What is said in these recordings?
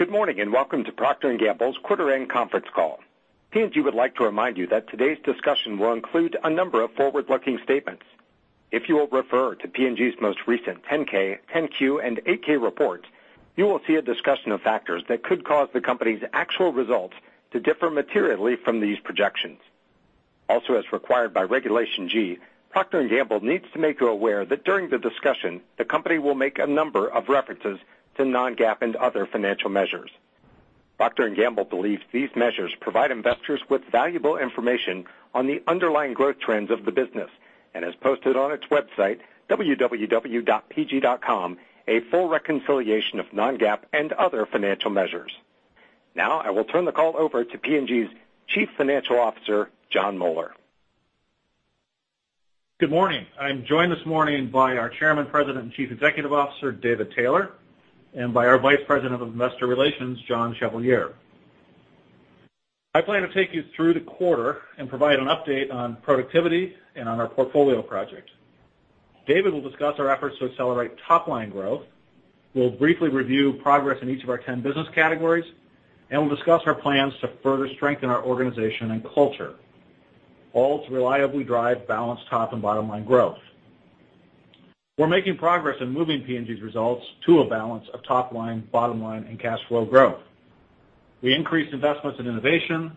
Good morning. Welcome to Procter & Gamble's quarter end conference call. P&G would like to remind you that today's discussion will include a number of forward-looking statements. If you will refer to P&G's most recent 10-K, 10-Q, and 8-K reports, you will see a discussion of factors that could cause the company's actual results to differ materially from these projections. Also, as required by Regulation G, Procter & Gamble needs to make you aware that during the discussion, the company will make a number of references to non-GAAP and other financial measures. Procter & Gamble believes these measures provide investors with valuable information on the underlying growth trends of the business, and has posted on its website, www.pg.com, a full reconciliation of non-GAAP and other financial measures. Now, I will turn the call over to P&G's Chief Financial Officer, Jon Moeller. Good morning. I'm joined this morning by our Chairman, President, and Chief Executive Officer, David Taylor, and by our Vice President of Investor Relations, John Chevalier. I plan to take you through the quarter and provide an update on productivity and on our portfolio project. David will discuss our efforts to accelerate top-line growth. We'll briefly review progress in each of our 10 business categories, and we'll discuss our plans to further strengthen our organization and culture, all to reliably drive balanced top and bottom line growth. We're making progress in moving P&G's results to a balance of top line, bottom line, and cash flow growth. We increased investments in innovation,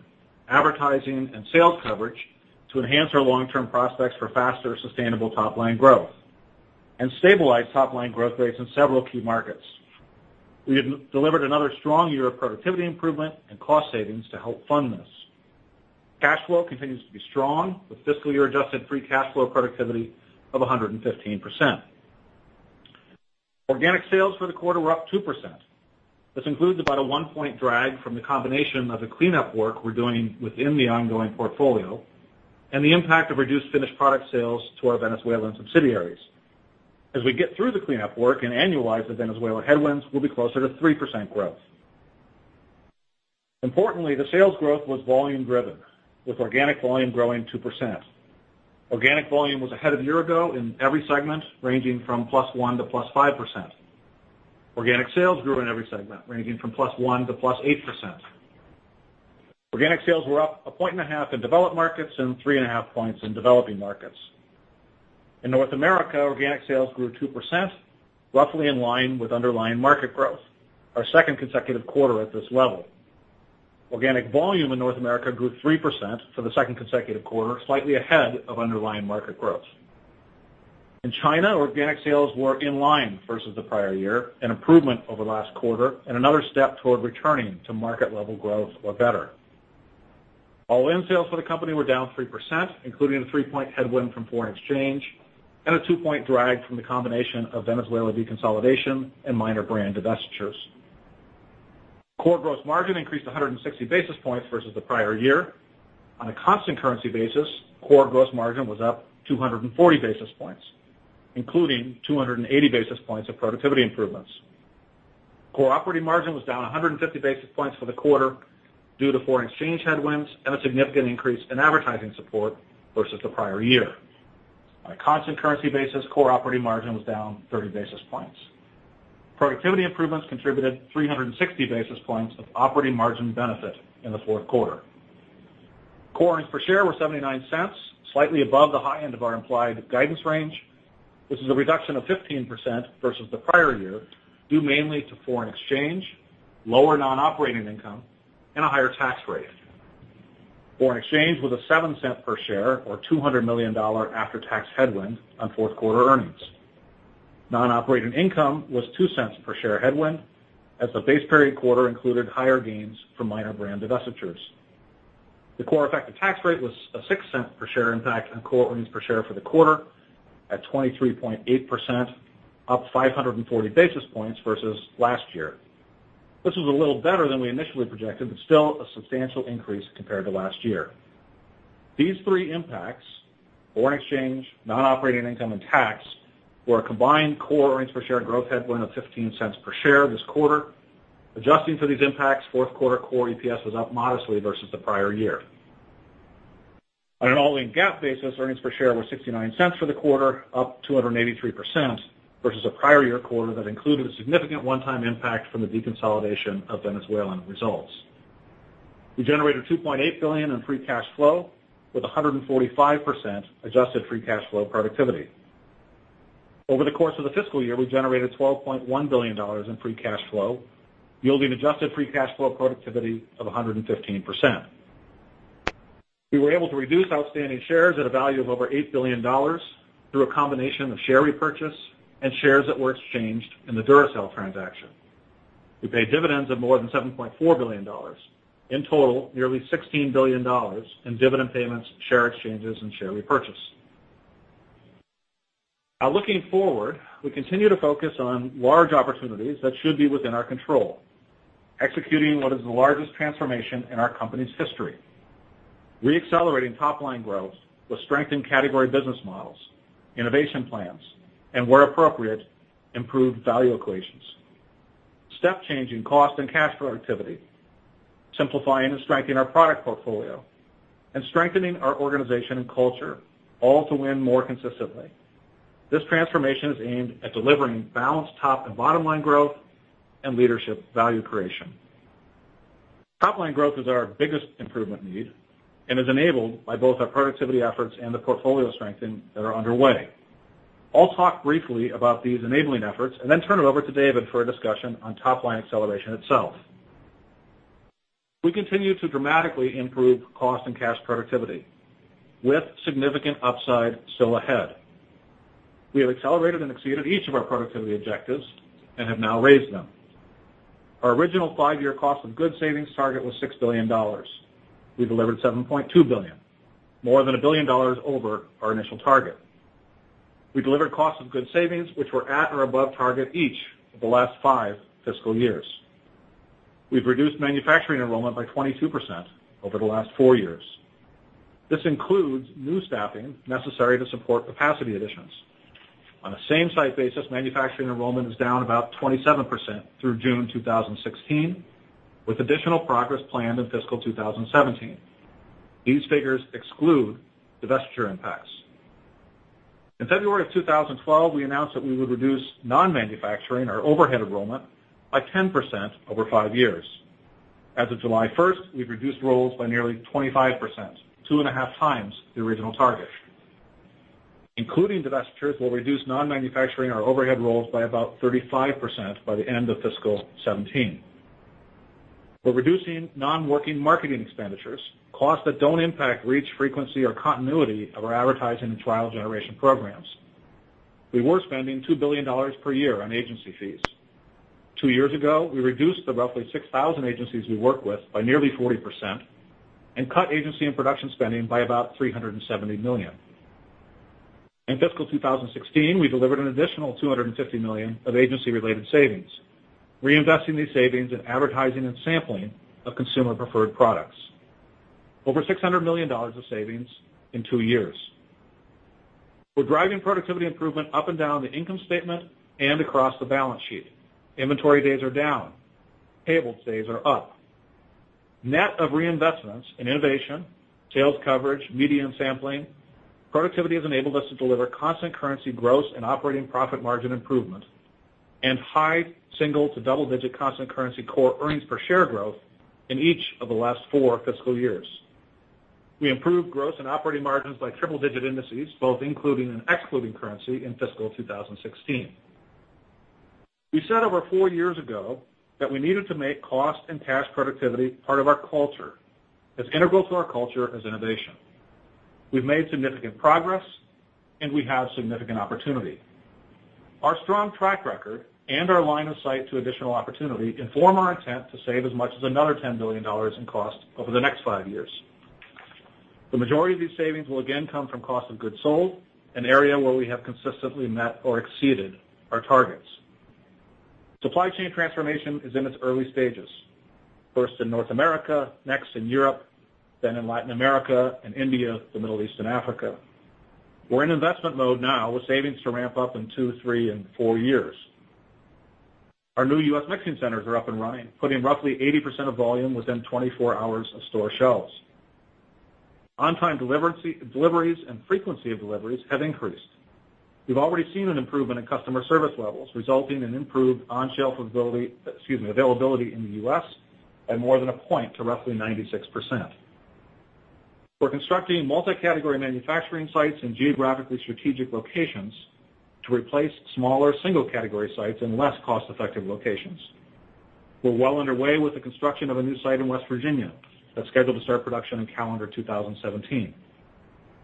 advertising, and sales coverage to enhance our long-term prospects for faster, sustainable top line growth, and stabilize top-line growth rates in several key markets. We have delivered another strong year of productivity improvement and cost savings to help fund this. Cash flow continues to be strong with fiscal year adjusted free cash flow productivity of 115%. Organic sales for the quarter were up 2%. This includes about a one-point drag from the combination of the cleanup work we're doing within the ongoing portfolio, and the impact of reduced finished product sales to our Venezuelan subsidiaries. As we get through the cleanup work and annualize the Venezuelan headwinds, we'll be closer to 3% growth. Importantly, the sales growth was volume driven, with organic volume growing 2%. Organic volume was ahead of year-ago in every segment, ranging from +1% to +5%. Organic sales grew in every segment, ranging from +1% to +8%. Organic sales were up a point and a half in developed markets and three and a half points in developing markets. In North America, organic sales grew 2%, roughly in line with underlying market growth, our second consecutive quarter at this level. Organic volume in North America grew 3% for the second consecutive quarter, slightly ahead of underlying market growth. In China, organic sales were in line versus the prior year, an improvement over last quarter, and another step toward returning to market-level growth or better. All-in sales for the company were down 3%, including a three-point headwind from foreign exchange, and a two-point drag from the combination of Venezuela deconsolidation and minor brand divestitures. Core gross margin increased 160 basis points versus the prior year. On a constant currency basis, core gross margin was up 240 basis points, including 280 basis points of productivity improvements. Core operating margin was down 150 basis points for the quarter due to foreign exchange headwinds and a significant increase in advertising support versus the prior year. On a constant currency basis, core operating margin was down 30 basis points. Productivity improvements contributed 360 basis points of operating margin benefit in the fourth quarter. Core earnings per share were $0.79, slightly above the high end of our implied guidance range. This is a reduction of 15% versus the prior year, due mainly to foreign exchange, lower non-operating income, and a higher tax rate. Foreign exchange was a $0.07 per share or $200 million after-tax headwind on fourth quarter earnings. Non-operating income was $0.02 per share headwind, as the base period quarter included higher gains from minor brand divestitures. The core effective tax rate was a $0.06 per share impact on core earnings per share for the quarter at 23.8%, up 540 basis points versus last year. This was a little better than we initially projected, still a substantial increase compared to last year. These three impacts, foreign exchange, non-operating income, and tax, were a combined core earnings per share growth headwind of $0.15 per share this quarter. Adjusting for these impacts, fourth quarter core EPS was up modestly versus the prior year. On an all-in GAAP basis, earnings per share were $0.69 for the quarter, up 283% versus the prior year quarter that included a significant one-time impact from the deconsolidation of Venezuelan results. We generated $2.8 billion in free cash flow with 145% adjusted free cash flow productivity. Over the course of the fiscal year, we generated $12.1 billion in free cash flow, yielding adjusted free cash flow productivity of 115%. We were able to reduce outstanding shares at a value of over $8 billion through a combination of share repurchase and shares that were exchanged in the Duracell transaction. We paid dividends of more than $7.4 billion. In total, nearly $16 billion in dividend payments, share exchanges, and share repurchase. Looking forward, we continue to focus on large opportunities that should be within our control, executing what is the largest transformation in our company's history. Re-accelerating top-line growth with strengthened category business models, innovation plans, and where appropriate, improved value equations. Step change in cost and cash productivity. Simplifying and strengthening our product portfolio, and strengthening our organization and culture, all to win more consistently. This transformation is aimed at delivering balanced top and bottom-line growth and leadership value creation. Top-line growth is our biggest improvement need and is enabled by both our productivity efforts and the portfolio strengthening that are underway. I'll talk briefly about these enabling efforts and then turn it over to David for a discussion on top-line acceleration itself. We continue to dramatically improve cost and cash productivity with significant upside still ahead. We have accelerated and exceeded each of our productivity objectives and have now raised them. Our original five-year cost of goods savings target was $6 billion. We delivered $7.2 billion, more than $1 billion over our initial target. We delivered cost of goods savings which were at or above target each of the last five fiscal years. We've reduced manufacturing enrollment by 22% over the last four years. This includes new staffing necessary to support capacity additions. On a same-site basis, manufacturing enrollment is down about 27% through June 2016, with additional progress planned in fiscal 2017. These figures exclude divestiture impacts. In February of 2012, we announced that we would reduce non-manufacturing, our overhead enrollment, by 10% over five years. As of July 1st, we've reduced roles by nearly 25%, two and a half times the original target. Including divestitures, we'll reduce non-manufacturing, our overhead roles, by about 35% by the end of fiscal 2017. We're reducing non-working marketing expenditures, costs that don't impact reach, frequency, or continuity of our advertising and trial generation programs. We were spending $2 billion per year on agency fees. Two years ago, we reduced the roughly 6,000 agencies we work with by nearly 40% and cut agency and production spending by about $370 million. In fiscal 2016, we delivered an additional $250 million of agency-related savings, reinvesting these savings in advertising and sampling of consumer preferred products. Over $600 million of savings in two years. We're driving productivity improvement up and down the income statement and across the balance sheet. Inventory days are down. Payables days are up. Net of reinvestments in innovation, sales coverage, media and sampling, productivity has enabled us to deliver constant currency growth and operating profit margin improvement and high single to double-digit constant currency core earnings per share growth in each of the last four fiscal years. We improved gross and operating margins by triple digit [indices], both including and excluding currency in fiscal 2016. We said over four years ago that we needed to make cost and cash productivity part of our culture, as integral to our culture as innovation. We've made significant progress. We have significant opportunity. Our strong track record and our line of sight to additional opportunity inform our intent to save as much as another $10 billion in cost over the next five years. The majority of these savings will again come from cost of goods sold, an area where we have consistently met or exceeded our targets. Supply chain transformation is in its early stages. First in North America, next in Europe, then in Latin America and India, the Middle East, and Africa. We're in investment mode now with savings to ramp up in two, three, and four years. Our new U.S. mixing centers are up and running, putting roughly 80% of volume within 24 hours of store shelves. On-time deliveries and frequency of deliveries have increased. We've already seen an improvement in customer service levels, resulting in improved on shelf availability in the U.S. by more than a point to roughly 96%. We're constructing multi-category manufacturing sites in geographically strategic locations to replace smaller single-category sites in less cost-effective locations. We're well underway with the construction of a new site in West Virginia that's scheduled to start production in calendar 2017.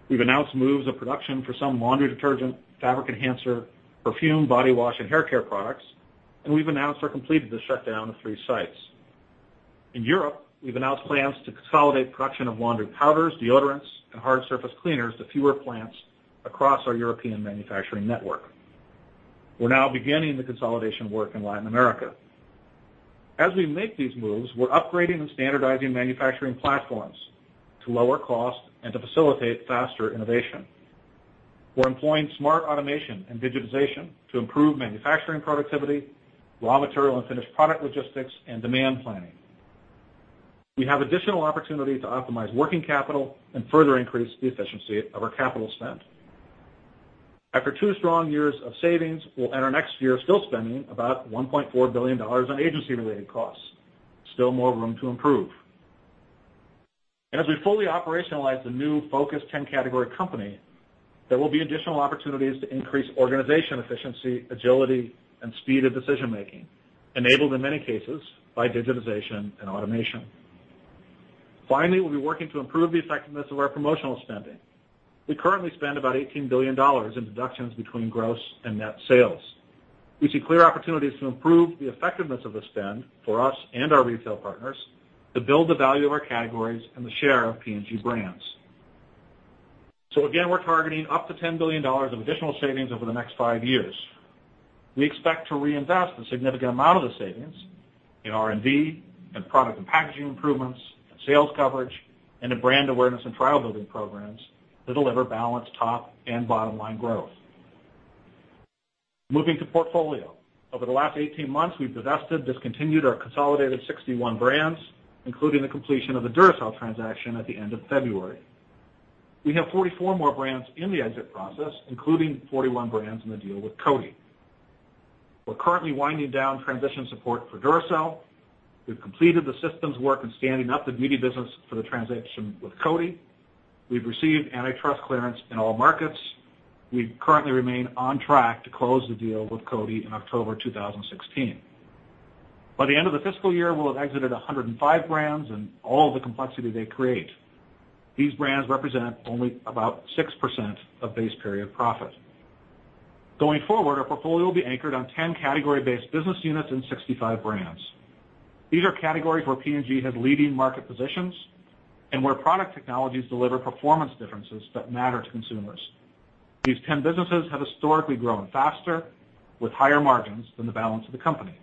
We've announced moves of production for some laundry detergent, fabric enhancer, perfume, body wash, and hair care products. We've announced or completed the shutdown of three sites. In Europe, we've announced plans to consolidate production of laundry powders, deodorants, and hard surface cleaners to fewer plants across our European manufacturing network. We're now beginning the consolidation work in Latin America. As we make these moves, we're upgrading and standardizing manufacturing platforms to lower cost and to facilitate faster innovation. We're employing smart automation and digitization to improve manufacturing productivity, raw material and finished product logistics, and demand planning. We have additional opportunity to optimize working capital and further increase the efficiency of our capital spend. After two strong years of savings, we'll enter next year still spending about $1.4 billion on agency-related costs. Still more room to improve. As we fully operationalize the new focused 10-category company, there will be additional opportunities to increase organization efficiency, agility, and speed of decision making, enabled in many cases by digitization and automation. Finally, we'll be working to improve the effectiveness of our promotional spending. We currently spend about $18 billion in deductions between gross and net sales. We see clear opportunities to improve the effectiveness of the spend for us and our retail partners to build the value of our categories and the share of P&G brands. Again, we're targeting up to $10 billion of additional savings over the next five years. We expect to reinvest a significant amount of the savings in R&D and product and packaging improvements, and sales coverage, and to brand awareness and trial-building programs that deliver balanced top and bottom-line growth. Moving to portfolio. Over the last 18 months, we've divested, discontinued, or consolidated 61 brands, including the completion of the Duracell transaction at the end of February. We have 44 more brands in the exit process, including 41 brands in the deal with Coty. We're currently winding down transition support for Duracell. We've completed the systems work in standing up the beauty business for the transaction with Coty. We've received antitrust clearance in all markets. We currently remain on track to close the deal with Coty in October 2016. By the end of the fiscal year, we'll have exited 105 brands and all the complexity they create. These brands represent only about 6% of base period profit. Going forward, our portfolio will be anchored on 10 category-based business units and 65 brands. These are categories where P&G has leading market positions and where product technologies deliver performance differences that matter to consumers. These 10 businesses have historically grown faster with higher margins than the balance of the company.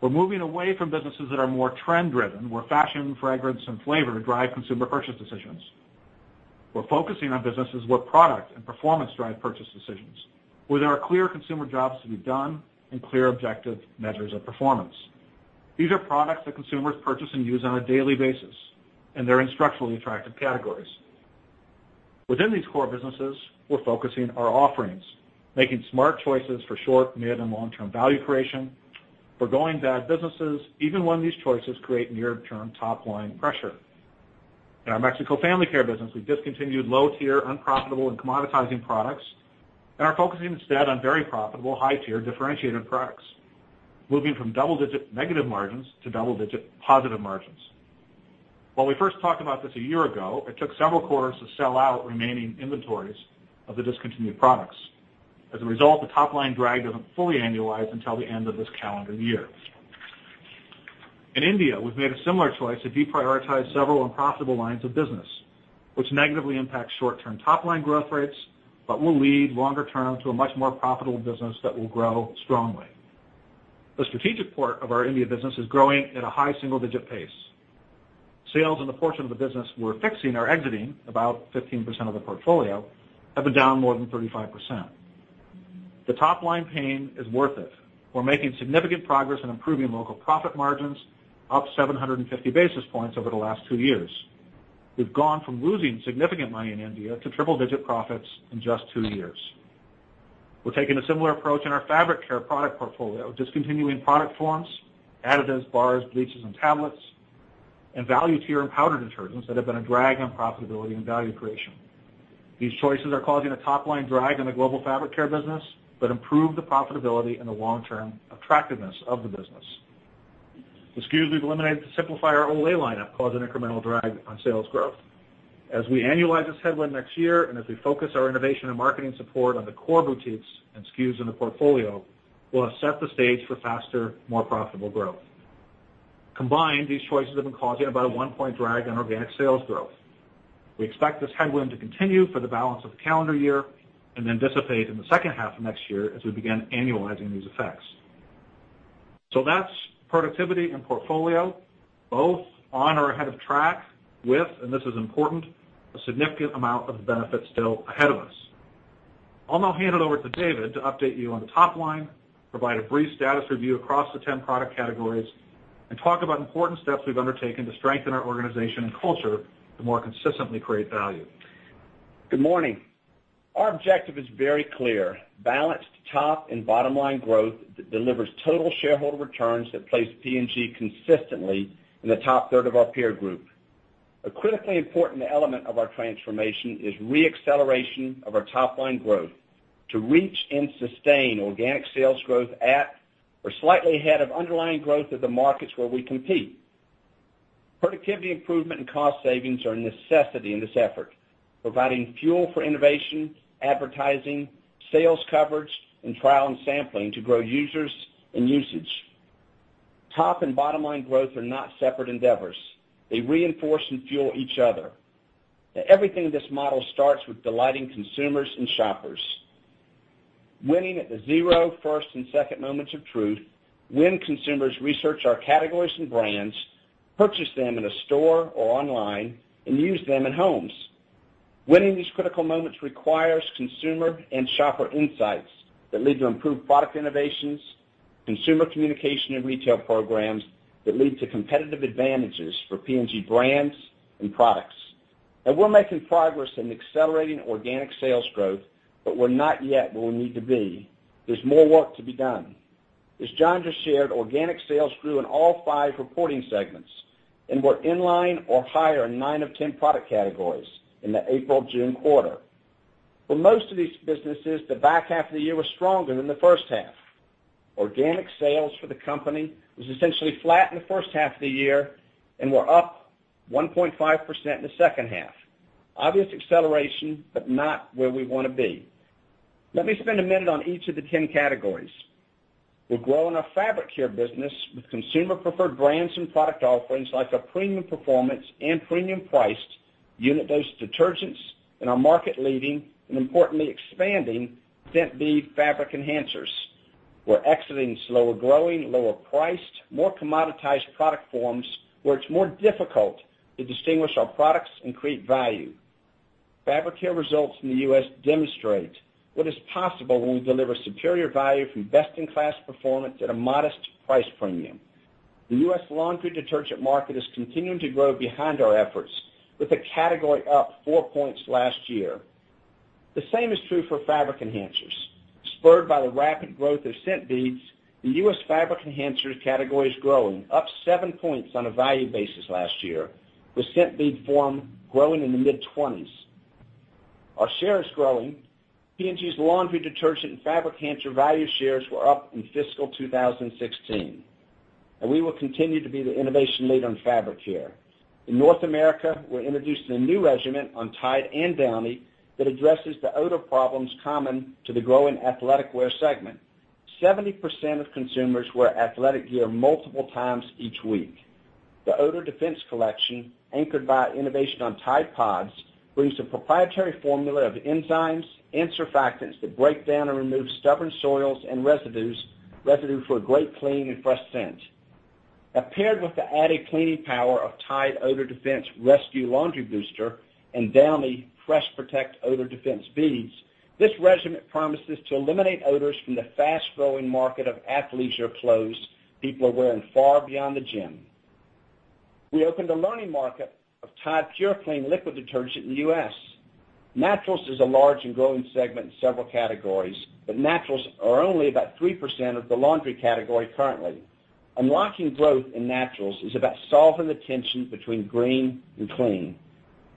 We're moving away from businesses that are more trend driven, where fashion, fragrance, and flavor drive consumer purchase decisions. We're focusing on businesses where product and performance drive purchase decisions, where there are clear consumer jobs to be done and clear objective measures of performance. These are products that consumers purchase and use on a daily basis, and they're in structurally attractive categories. Within these core businesses, we're focusing our offerings, making smart choices for short, mid, and long-term value creation. We're going to add businesses even when these choices create near-term top-line pressure. In our Mexico family care business, we've discontinued low-tier, unprofitable, and commoditizing products and are focusing instead on very profitable, high-tier, differentiated products, moving from double-digit negative margins to double-digit positive margins. When we first talked about this a year ago, it took several quarters to sell out remaining inventories of the discontinued products. As a result, the top-line drag doesn't fully annualize until the end of this calendar year. In India, we've made a similar choice to deprioritize several unprofitable lines of business, which negatively impacts short-term top-line growth rates but will lead longer term to a much more profitable business that will grow strongly. The strategic part of our India business is growing at a high single-digit pace. Sales in the portion of the business we're fixing or exiting, about 15% of the portfolio, have been down more than 35%. The top-line pain is worth it. We're making significant progress in improving local profit margins, up 750 basis points over the last two years. We've gone from losing significant money in India to triple-digit profits in just two years. We're taking a similar approach in our fabric care product portfolio, discontinuing product forms, additives, bars, bleaches, and tablets, and value tier and powder detergents that have been a drag on profitability and value creation. These choices are causing a top-line drag on the global fabric care business but improve the profitability and the long-term attractiveness of the business. The SKUs we've eliminated to simplify our Olay lineup cause an incremental drag on sales growth. As we annualize this headwind next year, and as we focus our innovation and marketing support on the core boutiques and SKUs in the portfolio, we'll have set the stage for faster, more profitable growth. Combined, these choices have been causing about a one-point drag on organic sales growth. We expect this headwind to continue for the balance of the calendar year and then dissipate in the second half of next year as we begin annualizing these effects. That's productivity and portfolio, both on or ahead of track with, and this is important, a significant amount of the benefit still ahead of us. I'll now hand it over to David to update you on the top line, provide a brief status review across the 10 product categories, and talk about important steps we've undertaken to strengthen our organization and culture to more consistently create value. Good morning. Our objective is very clear. Balanced top and bottom line growth that delivers total shareholder returns that place P&G consistently in the top third of our peer group. A critically important element of our transformation is re-acceleration of our top-line growth to reach and sustain organic sales growth at or slightly ahead of underlying growth of the markets where we compete. Productivity improvement and cost savings are a necessity in this effort, providing fuel for innovation, advertising, sales coverage, and trial and sampling to grow users and usage. Top and bottom line growth are not separate endeavors. They reinforce and fuel each other. Everything in this model starts with delighting consumers and shoppers. Winning at the zero, first, and second moments of truth, when consumers research our categories and brands, purchase them in a store or online, and use them in homes. Winning these critical moments requires consumer and shopper insights that lead to improved product innovations, consumer communication, and retail programs that lead to competitive advantages for P&G brands and products. We're making progress in accelerating organic sales growth, but we're not yet where we need to be. There's more work to be done. As Jon just shared, organic sales grew in all five reporting segments and were in line or higher in nine of 10 product categories in the April/June quarter. For most of these businesses, the back half of the year was stronger than the first half. Organic sales for the company was essentially flat in the first half of the year and were up 1.5% in the second half. Obvious acceleration, but not where we want to be. Let me spend a minute on each of the 10 categories. We're growing our fabric care business with consumer preferred brands and product offerings like our premium performance and premium priced unit-dose detergents and our market leading, and importantly expanding, scent bead fabric enhancer. We're exiting slower growing, lower priced, more commoditized product forms where it's more difficult to distinguish our products and create value. Fabric care results in the U.S. demonstrate what is possible when we deliver superior value from best-in-class performance at a modest price premium. The U.S. laundry detergent market is continuing to grow behind our efforts with the category up four points last year. The same is true for fabric enhancers. Spurred by the rapid growth of scent beads, the U.S. fabric enhancers category is growing up seven points on a value basis last year, with scent bead form growing in the mid-20s. Our share is growing. P&G's laundry detergent and fabric enhancer value shares were up in fiscal 2016, and we will continue to be the innovation leader in fabric care. In North America, we're introducing a new regimen on Tide and Downy that addresses the odor problems common to the growing athletic wear segment. 70% of consumers wear athletic gear multiple times each week. The odor defense collection, anchored by innovation on Tide PODS, brings a proprietary formula of enzymes and surfactants that break down and remove stubborn soils and residue for a great clean and fresh scent. Now paired with the added cleaning power of Tide Odor Rescue with Febreze Odor Defense and Downy Fresh Protect with Febreze Odor Defense beads, this regimen promises to eliminate odors from the fast-growing market of athleisure clothes people are wearing far beyond the gym. We opened a learning market of Tide purclean liquid detergent in the U.S. Naturals is a large and growing segment in several categories, but naturals are only about 3% of the laundry category currently. Unlocking growth in naturals is about solving the tension between green and clean.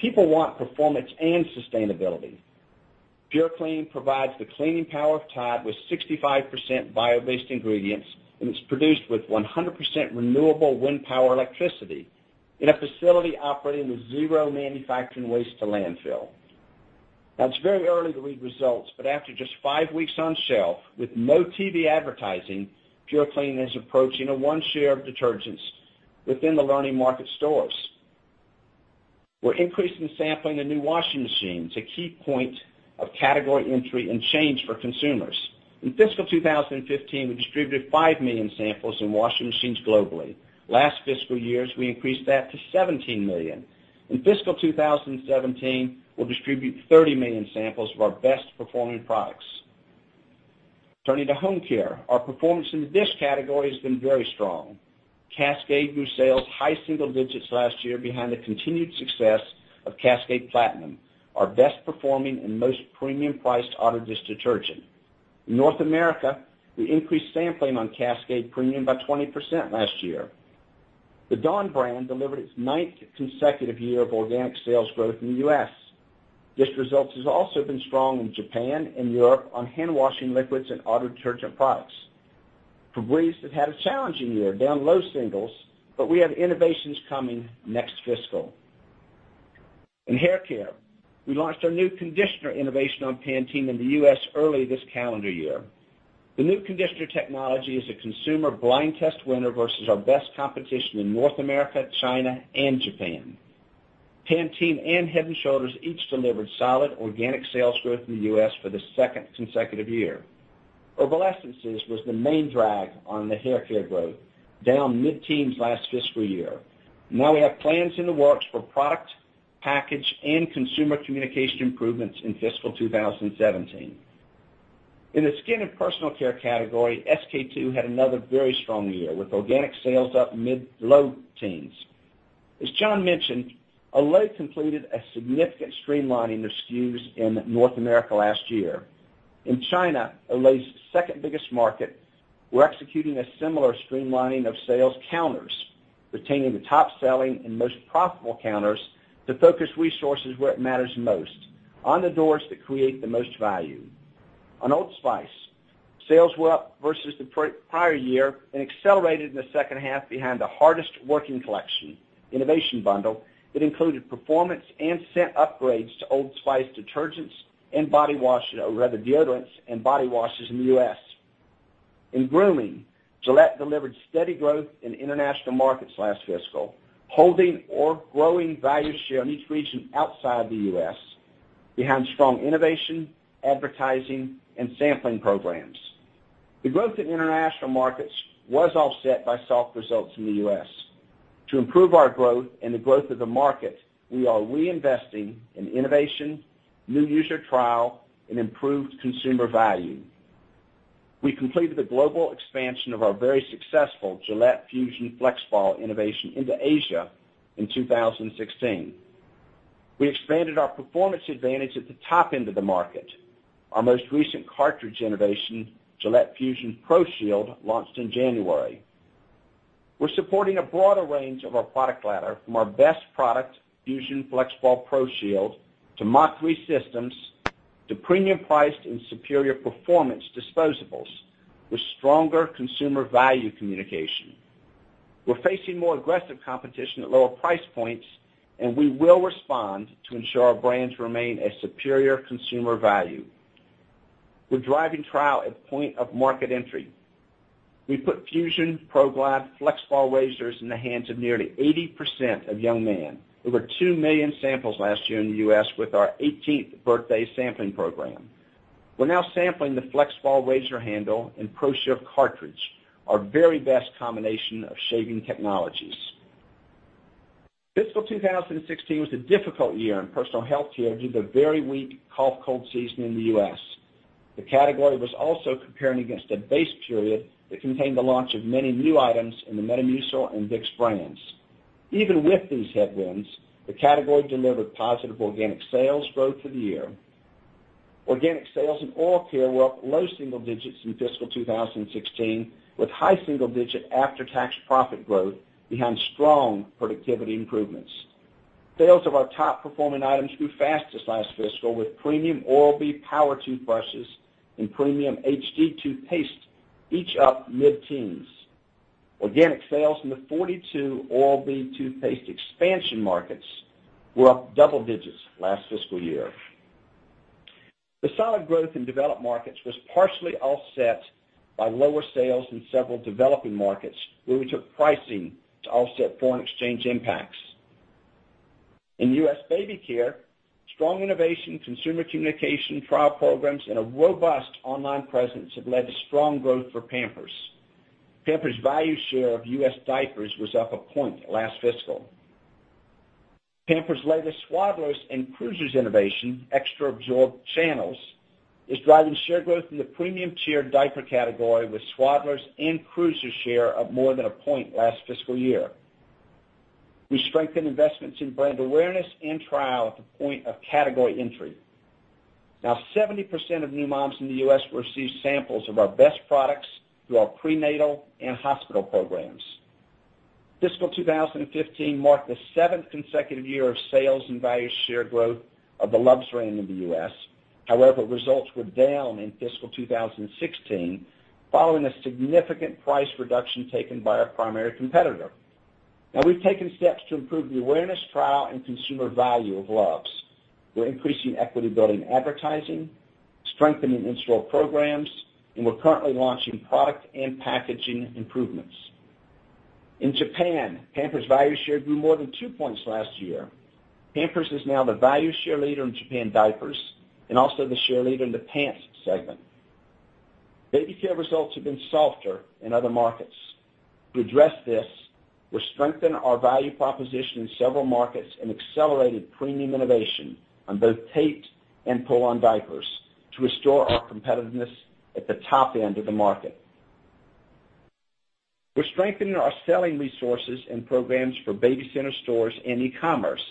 People want performance and sustainability. purclean provides the cleaning power of Tide with 65% bio-based ingredients, and it's produced with 100% renewable wind power electricity in a facility operating with zero manufacturing waste to landfill. Now, it's very early to read results, but after just five weeks on shelf with no TV advertising, purclean is approaching a one share of detergents within the learning market stores. We're increasing sampling in new washing machines, a key point of category entry and change for consumers. In fiscal 2015, we distributed 5 million samples in washing machines globally. Last fiscal years, we increased that to 17 million. In fiscal 2017, we'll distribute 30 million samples of our best-performing products. Turning to home care, our performance in the dish category has been very strong. Cascade grew sales high single digits last year behind the continued success of Cascade Platinum, our best performing and most premium priced auto dish detergent. In North America, we increased sampling on Cascade Premium by 20% last year. The Dawn brand delivered its ninth consecutive year of organic sales growth in the U.S. Dish results has also been strong in Japan and Europe on hand washing liquids and auto detergent products. Febreze has had a challenging year, down low singles, but we have innovations coming next fiscal. In hair care, we launched our new conditioner innovation on Pantene in the U.S. early this calendar year. The new conditioner technology is a consumer blind test winner versus our best competition in North America, China, and Japan. Pantene and Head & Shoulders each delivered solid organic sales growth in the U.S. for the second consecutive year. Herbal Essences was the main drag on the hair care growth, down mid-teens last fiscal year. Now we have plans in the works for product, package, and consumer communication improvements in fiscal 2017. In the skin and personal care category, SK-II had another very strong year, with organic sales up mid-low teens. As Jon mentioned, Olay completed a significant streamlining of SKUs in North America last year. In China, Olay's second biggest market, we're executing a similar streamlining of sales counters, retaining the top-selling and most profitable counters to focus resources where it matters most, on the doors that create the most value. Old Spice, sales were up versus the prior year and accelerated in the second half behind the hardest working collection innovation bundle that included performance and scent upgrades to Old Spice deodorants and body washes in the U.S. In grooming, Gillette delivered steady growth in international markets last fiscal, holding or growing value share in each region outside the U.S. behind strong innovation, advertising, and sampling programs. The growth in international markets was offset by soft results in the U.S. To improve our growth and the growth of the market, we are reinvesting in innovation, new user trial, and improved consumer value. We completed the global expansion of our very successful Gillette Fusion FlexBall innovation into Asia in 2016. We expanded our performance advantage at the top end of the market. Our most recent cartridge innovation, Gillette Fusion ProShield, launched in January. We're supporting a broader range of our product ladder from our best product, Fusion FlexBall ProShield, to MACH3 systems, to premium priced and superior performance disposables with stronger consumer value communication. We're facing more aggressive competition at lower price points, and we will respond to ensure our brands remain a superior consumer value. We're driving trial at the point of market entry. We put Fusion, ProGlide, FlexBall razors in the hands of nearly 80% of young men. Over 2 million samples last year in the U.S. with our 18th birthday sampling program. We're now sampling the FlexBall razor handle and ProShield cartridge, our very best combination of shaving technologies. Fiscal 2016 was a difficult year in personal healthcare due to the very weak cough-cold season in the U.S. The category was also comparing against a base period that contained the launch of many new items in the Metamucil and Vicks brands. Even with these headwinds, the category delivered positive organic sales growth for the year. Organic sales in oral care were up low single digits in fiscal 2016, with high single-digit after-tax profit growth behind strong productivity improvements. Sales of our top-performing items grew fastest last fiscal, with premium Oral-B power toothbrushes and premium HD toothpaste each up mid-teens. Organic sales in the 42 Oral-B toothpaste expansion markets were up double digits last fiscal year. The solid growth in developed markets was partially offset by lower sales in several developing markets, where we took pricing to offset foreign exchange impacts. In U.S. baby care, strong innovation, consumer communication, trial programs, and a robust online presence have led to strong growth for Pampers. Pampers' value share of U.S. diapers was up a point last fiscal. Pampers' latest Swaddlers and Cruisers innovation, Extra Absorb Channels, is driving share growth in the premium tier diaper category, with Swaddlers and Cruisers' share up more than a point last fiscal year. We strengthened investments in brand awareness and trial at the point of category entry. 70% of new moms in the U.S. will receive samples of our best products through our prenatal and hospital programs. Fiscal 2015 marked the seventh consecutive year of sales and value share growth of the Luvs brand in the U.S. However, results were down in fiscal 2016 following a significant price reduction taken by our primary competitor. We've taken steps to improve the awareness, trial, and consumer value of Luvs. We're increasing equity-building advertising, strengthening in-store programs, and we're currently launching product and packaging improvements. In Japan, Pampers' value share grew more than two points last year. Pampers is now the value share leader in Japan diapers and also the share leader in the pants segment. Baby care results have been softer in other markets. To address this, we're strengthening our value proposition in several markets and accelerated premium innovation on both taped and pull-on diapers to restore our competitiveness at the top end of the market. We're strengthening our selling resources and programs for baby center stores and e-commerce,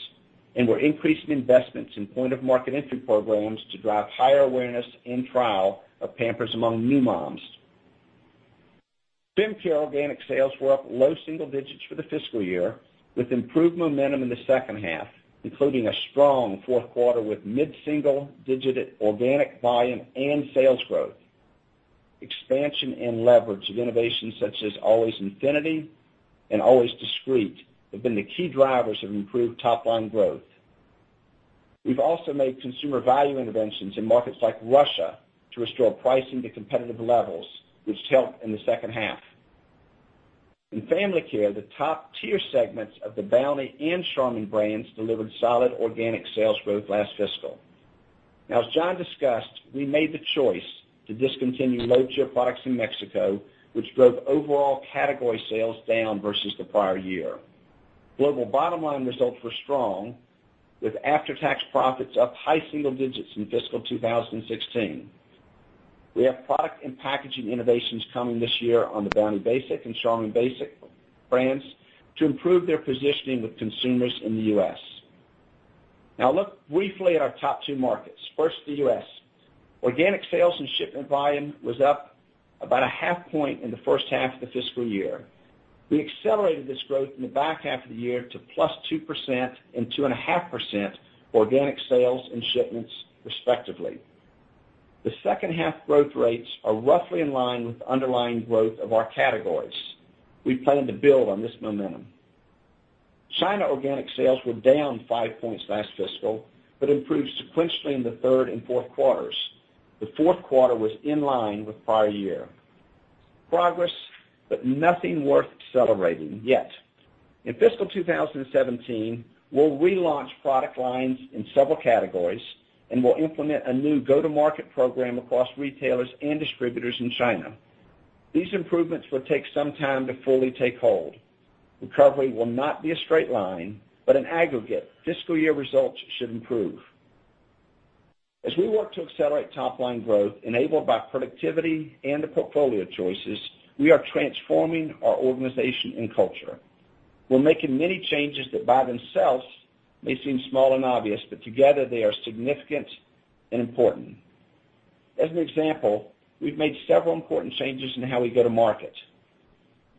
and we're increasing investments in point-of-market-entry programs to drive higher awareness and trial of Pampers among new moms. Fem care organic sales were up low single digits for the fiscal year, with improved momentum in the second half, including a strong fourth quarter with mid-single-digit organic volume and sales growth. Expansion and leverage of innovations such as Always Infinity and Always Discreet have been the key drivers of improved top-line growth. We've also made consumer value interventions in markets like Russia to restore pricing to competitive levels, which helped in the second half. In family care, the top-tier segments of the Bounty and Charmin brands delivered solid organic sales growth last fiscal. As Jon discussed, we made the choice to discontinue low-tier products in Mexico, which drove overall category sales down versus the prior year. Global bottom-line results were strong, with after-tax profits up high single digits in fiscal 2016. We have product and packaging innovations coming this year on the Bounty Basic and Charmin Basic brands to improve their positioning with consumers in the U.S. I'll look briefly at our top two markets. First, the U.S. Organic sales and shipment volume was up about a half point in the first half of the fiscal year. I accelerated this growth in the back half of the year to +2% and +2.5% organic sales and shipments, respectively. The second half growth rates are roughly in line with the underlying growth of our categories. We plan to build on this momentum. China organic sales were down five points last fiscal, but improved sequentially in the third and fourth quarters. The fourth quarter was in line with prior year. Progress, but nothing worth celebrating yet. In fiscal 2017, we'll relaunch product lines in several categories and will implement a new go-to-market program across retailers and distributors in China. These improvements will take some time to fully take hold. Recovery will not be a straight line, but in aggregate, fiscal year results should improve. As we work to accelerate top-line growth enabled by productivity and the portfolio choices, we are transforming our organization and culture. We're making many changes that by themselves may seem small and obvious, but together they are significant and important. As an example, we've made several important changes in how we go to market.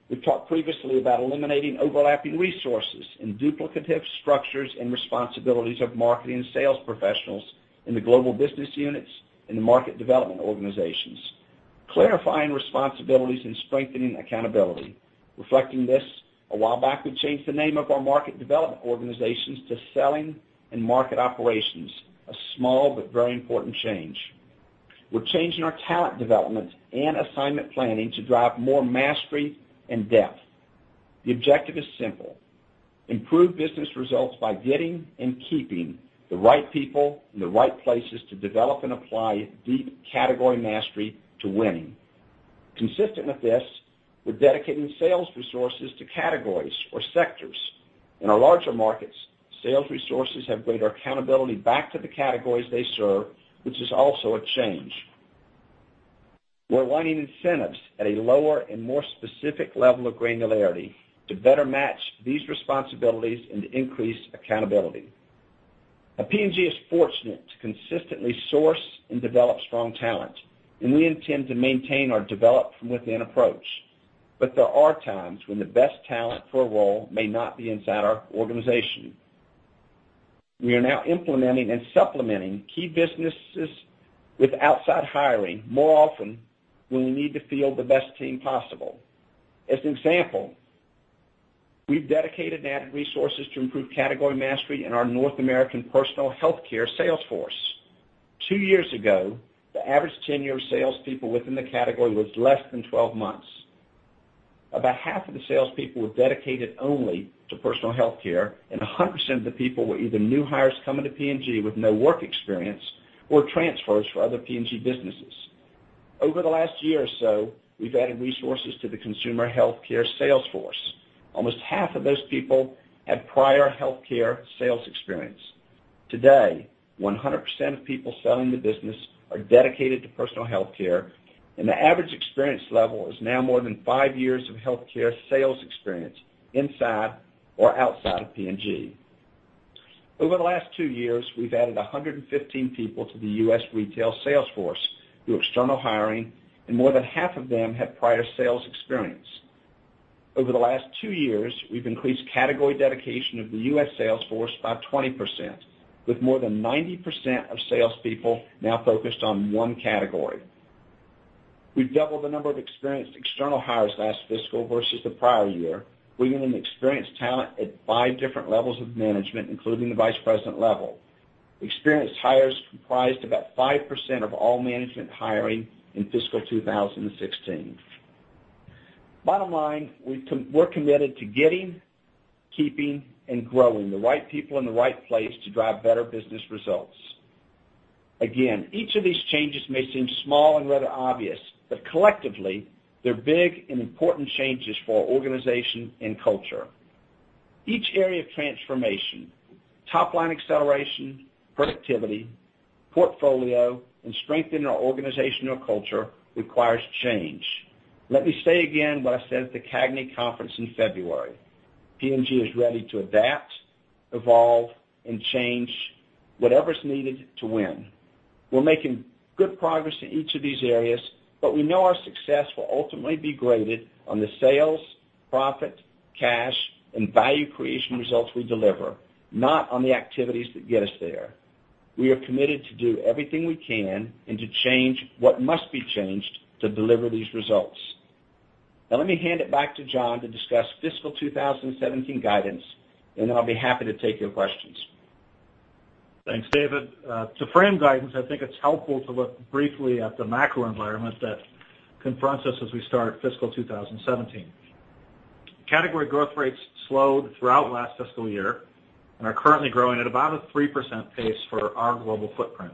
We've talked previously about eliminating overlapping resources and duplicative structures and responsibilities of marketing and sales professionals in the global business units and the Market Development Organizations, clarifying responsibilities, and strengthening accountability. Reflecting this, a while back, we changed the name of our Market Development Organizations to Selling and Market Operations, a small but very important change. We're changing our talent development and assignment planning to drive more mastery and depth. The objective is simple. Improve business results by getting and keeping the right people in the right places to develop and apply deep category mastery to winning. Consistent with this, we're dedicating sales resources to categories or sectors. In our larger markets, sales resources have greater accountability back to the categories they serve, which is also a change. We're aligning incentives at a lower and more specific level of granularity to better match these responsibilities and to increase accountability. P&G is fortunate to consistently source and develop strong talent, and we intend to maintain our develop-from-within approach, but there are times when the best talent for a role may not be inside our organization. We are now implementing and supplementing key businesses with outside hiring more often when we need to field the best team possible. As an example, we've dedicated and added resources to improve category mastery in our North American personal healthcare sales force. Two years ago, the average tenure of salespeople within the category was less than 12 months. About half of the salespeople were dedicated only to personal healthcare, and 100% of the people were either new hires coming to P&G with no work experience or transfers from other P&G businesses. Over the last year or so, we've added resources to the consumer healthcare sales force. Almost half of those people had prior healthcare sales experience. Today, 100% of people selling the business are dedicated to personal healthcare, and the average experience level is now more than five years of healthcare sales experience inside or outside of P&G. Over the last two years, we've added 115 people to the U.S. retail sales force through external hiring, and more than half of them had prior sales experience. Over the last two years, we've increased category dedication of the U.S. sales force by 20%, with more than 90% of salespeople now focused on one category. We've doubled the number of experienced external hires last fiscal versus the prior year, bringing in experienced talent at five different levels of management, including the vice president level. Experienced hires comprised about 5% of all management hiring in fiscal 2016. Bottom line, we're committed to getting, keeping, and growing the right people in the right place to drive better business results. Again, each of these changes may seem small and rather obvious, but collectively, they're big and important changes for our organization and culture. Each area of transformation, top-line acceleration, productivity, portfolio, and strengthening our organizational culture requires change. Let me say again what I said at the CAGNY Conference in February. P&G is ready to adapt, evolve, and change whatever's needed to win. We're making good progress in each of these areas, but we know our success will ultimately be graded on the sales, profit, cash, and value creation results we deliver, not on the activities that get us there. We are committed to do everything we can and to change what must be changed to deliver these results. Now, let me hand it back to Jon to discuss fiscal 2017 guidance, and then I'll be happy to take your questions. Thanks, David. To frame guidance, I think it's helpful to look briefly at the macro environment that confronts us as we start fiscal 2017. Category growth rates slowed throughout last fiscal year and are currently growing at about a 3% pace for our global footprint.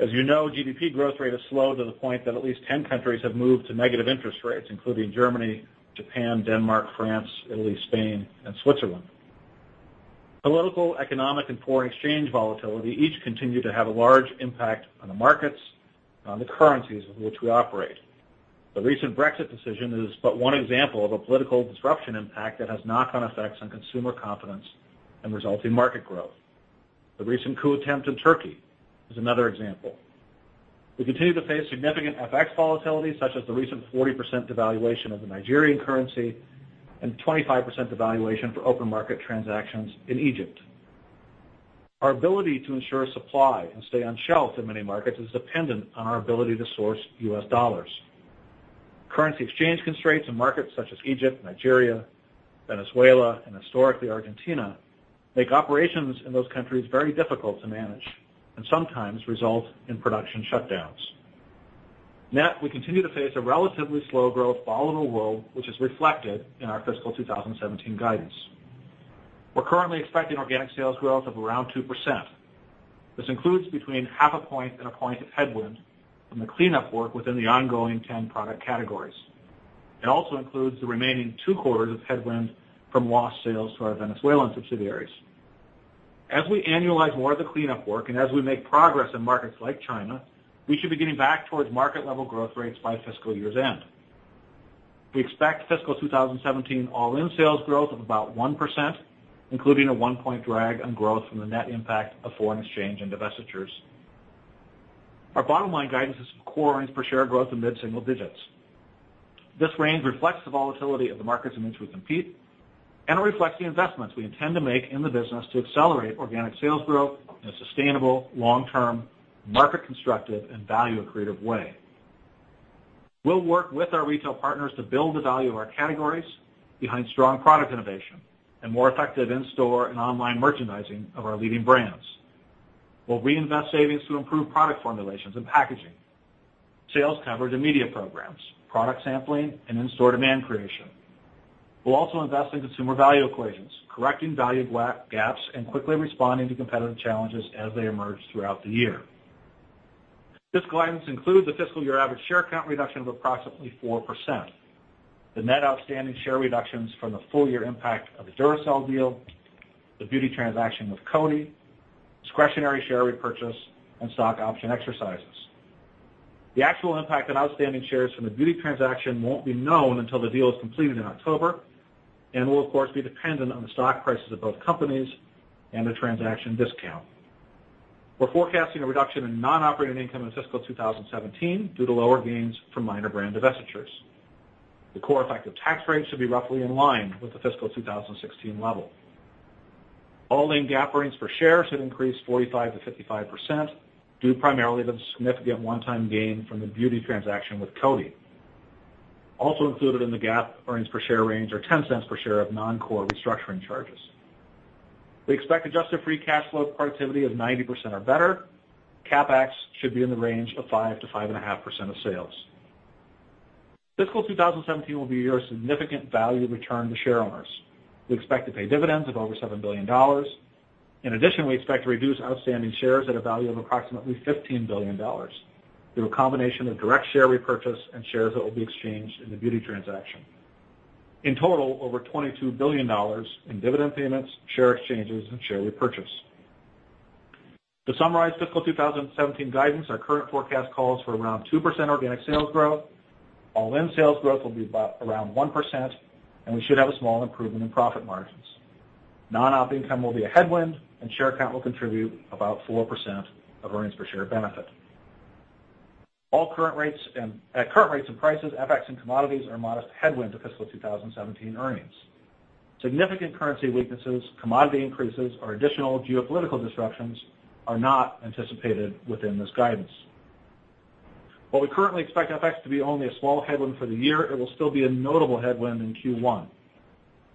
As you know, GDP growth rate has slowed to the point that at least 10 countries have moved to negative interest rates, including Germany, Japan, Denmark, France, Italy, Spain, and Switzerland. Political, economic, and foreign exchange volatility each continue to have a large impact on the markets, on the currencies in which we operate. The recent Brexit decision is but one example of a political disruption impact that has knock-on effects on consumer confidence and resulting market growth. The recent coup attempt in Turkey is another example. We continue to face significant FX volatility, such as the recent 40% devaluation of the Nigerian currency and 25% devaluation for open market transactions in Egypt. Our ability to ensure supply and stay on shelf in many markets is dependent on our ability to source U.S. dollars. Currency exchange constraints in markets such as Egypt, Nigeria, Venezuela, and historically Argentina, make operations in those countries very difficult to manage and sometimes result in production shutdowns. Net, we continue to face a relatively slow growth, volatile world, which is reflected in our fiscal 2017 guidance. We're currently expecting organic sales growth of around 2%. This includes between half a point and a point of headwind from the cleanup work within the ongoing 10 product categories. It also includes the remaining two quarters of headwind from lost sales to our Venezuelan subsidiaries. As we annualize more of the cleanup work, and as we make progress in markets like China, we should be getting back towards market-level growth rates by fiscal year's end. We expect fiscal 2017 all-in sales growth of about 1%, including a one-point drag on growth from the net impact of foreign exchange and divestitures. Our bottom line guidance is core earnings per share growth of mid-single digits. This range reflects the volatility of the markets in which we compete. It reflects the investments we intend to make in the business to accelerate organic sales growth in a sustainable, long-term, market-constructive, and value-accretive way. We'll work with our retail partners to build the value of our categories behind strong product innovation and more effective in-store and online merchandising of our leading brands. We'll reinvest savings to improve product formulations and packaging, sales coverage and media programs, product sampling, and in-store demand creation. We'll also invest in consumer value equations, correcting value gaps, and quickly responding to competitive challenges as they emerge throughout the year. This guidance includes the fiscal year average share count reduction of approximately 4%, the net outstanding share reductions from the full-year impact of the Duracell deal, the beauty transaction with Coty, discretionary share repurchase, and stock option exercises. The actual impact on outstanding shares from the beauty transaction won't be known until the deal is completed in October and will, of course, be dependent on the stock prices of both companies and the transaction discount. We're forecasting a reduction in non-operating income in fiscal 2017 due to lower gains from minor brand divestitures. The core effective tax rate should be roughly in line with the fiscal 2016 level. All in GAAP earnings per share should increase 45%-55% due primarily to the significant one-time gain from the beauty transaction with Coty. Also included in the GAAP earnings per share range are $0.10 per share of non-core restructuring charges. We expect adjusted free cash flow productivity of 90% or better. CapEx should be in the range of 5%-5.5% of sales. Fiscal 2017 will be a year of significant value return to shareowners. We expect to pay dividends of over $7 billion. In addition, we expect to reduce outstanding shares at a value of approximately $15 billion through a combination of direct share repurchase and shares that will be exchanged in the beauty transaction. In total, over $22 billion in dividend payments, share exchanges, and share repurchase. To summarize fiscal 2017 guidance, our current forecast calls for around 2% organic sales growth. All-in sales growth will be around 1%, and we should have a small improvement in profit margins. Non-op income will be a headwind, and share count will contribute about 4% of earnings per share benefit. At current rates and prices, FX and commodities are a modest headwind to fiscal 2017 earnings. Significant currency weaknesses, commodity increases, or additional geopolitical disruptions are not anticipated within this guidance. While we currently expect FX to be only a small headwind for the year, it will still be a notable headwind in Q1.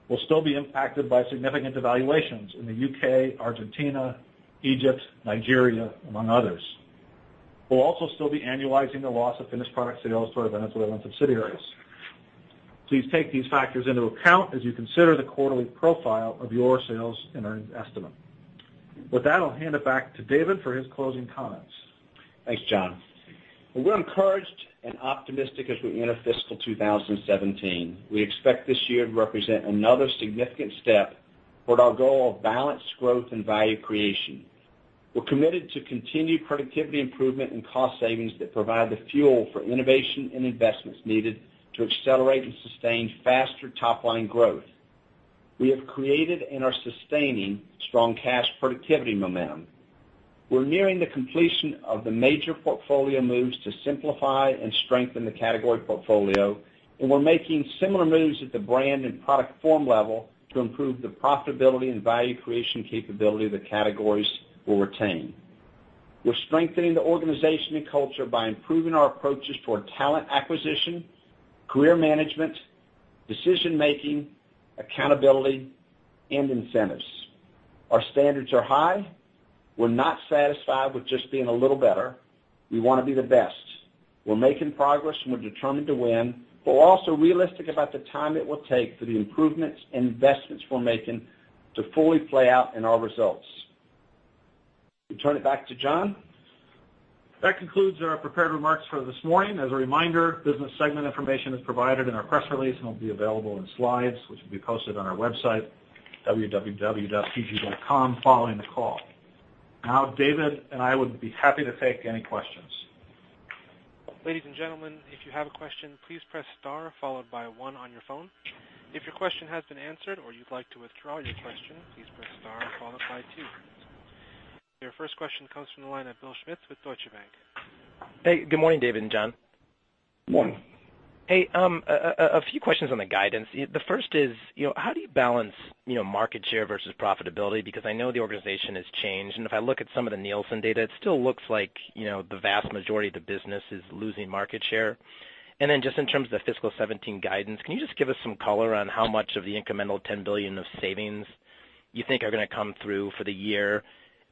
We'll still be impacted by significant devaluations in the U.K., Argentina, Egypt, Nigeria, among others. We'll also still be annualizing the loss of finished product sales to our Venezuelan subsidiaries. Please take these factors into account as you consider the quarterly profile of your sales and earnings estimate. With that, I'll hand it back to David for his closing comments. Thanks, Jon. We're encouraged and optimistic as we enter fiscal 2017. We expect this year to represent another significant step toward our goal of balanced growth and value creation. We're committed to continued productivity improvement and cost savings that provide the fuel for innovation and investments needed to accelerate and sustain faster top-line growth. We have created and are sustaining strong cash productivity momentum. We're nearing the completion of the major portfolio moves to simplify and strengthen the category portfolio, and we're making similar moves at the brand and product form level to improve the profitability and value creation capability of the categories we'll retain. We're strengthening the organization and culture by improving our approaches toward talent acquisition, career management, decision-making, accountability, and incentives. Our standards are high. We're not satisfied with just being a little better. We want to be the best. We're making progress, and we're determined to win. We're also realistic about the time it will take for the improvements and investments we're making to fully play out in our results. I'll turn it back to Jon. That concludes our prepared remarks for this morning. As a reminder, business segment information is provided in our press release and will be available in slides, which will be posted on our website, www.pg.com, following the call. Now, David and I would be happy to take any questions. Ladies and gentlemen, if you have a question, please press star followed by one on your phone. If your question has been answered or you'd like to withdraw your question, please press star followed by two. Your first question comes from the line of Bill Schmitz with Deutsche Bank. Hey, good morning, David and Jon. Good morning. Hey, a few questions on the guidance. The first is, how do you balance market share versus profitability? I know the organization has changed, and if I look at some of the Nielsen data, it still looks like the vast majority of the business is losing market share. Just in terms of the FY 2017 guidance, can you just give us some color on how much of the incremental $10 billion of savings you think are going to come through for the year?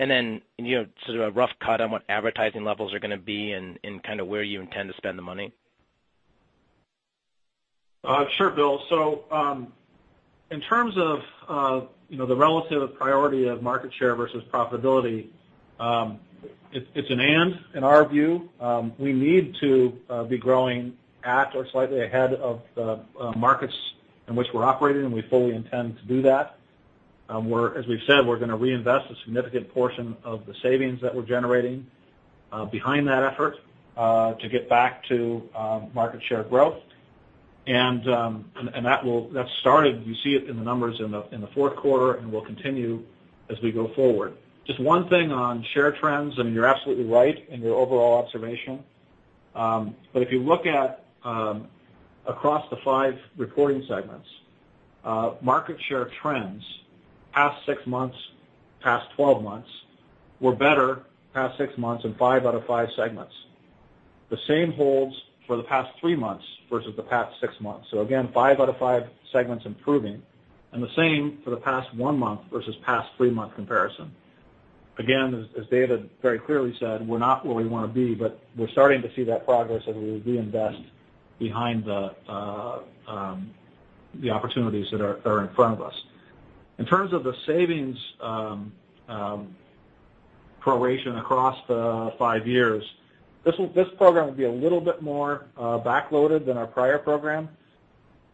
Sort of a rough cut on what advertising levels are going to be and kind of where you intend to spend the money? Sure, Bill. In terms of the relative priority of market share versus profitability, it's an and in our view. We need to be growing at or slightly ahead of the markets in which we're operating, and we fully intend to do that. As we've said, we're going to reinvest a significant portion of the savings that we're generating behind that effort to get back to market share growth, and that started, you see it in the numbers in the fourth quarter and will continue as we go forward. Just one thing on share trends, and you're absolutely right in your overall observation. If you look at across the five reporting segments, market share trends, past six months, past 12 months were better past six months in five out of five segments. The same holds for the past three months versus the past six months. Again, five out of five segments improving, and the same for the past one month versus past three-month comparison. Again, as David very clearly said, we're not where we want to be, but we're starting to see that progress as we reinvest behind the opportunities that are in front of us. In terms of the savings, proration across the five years, this program will be a little bit more backloaded than our prior program,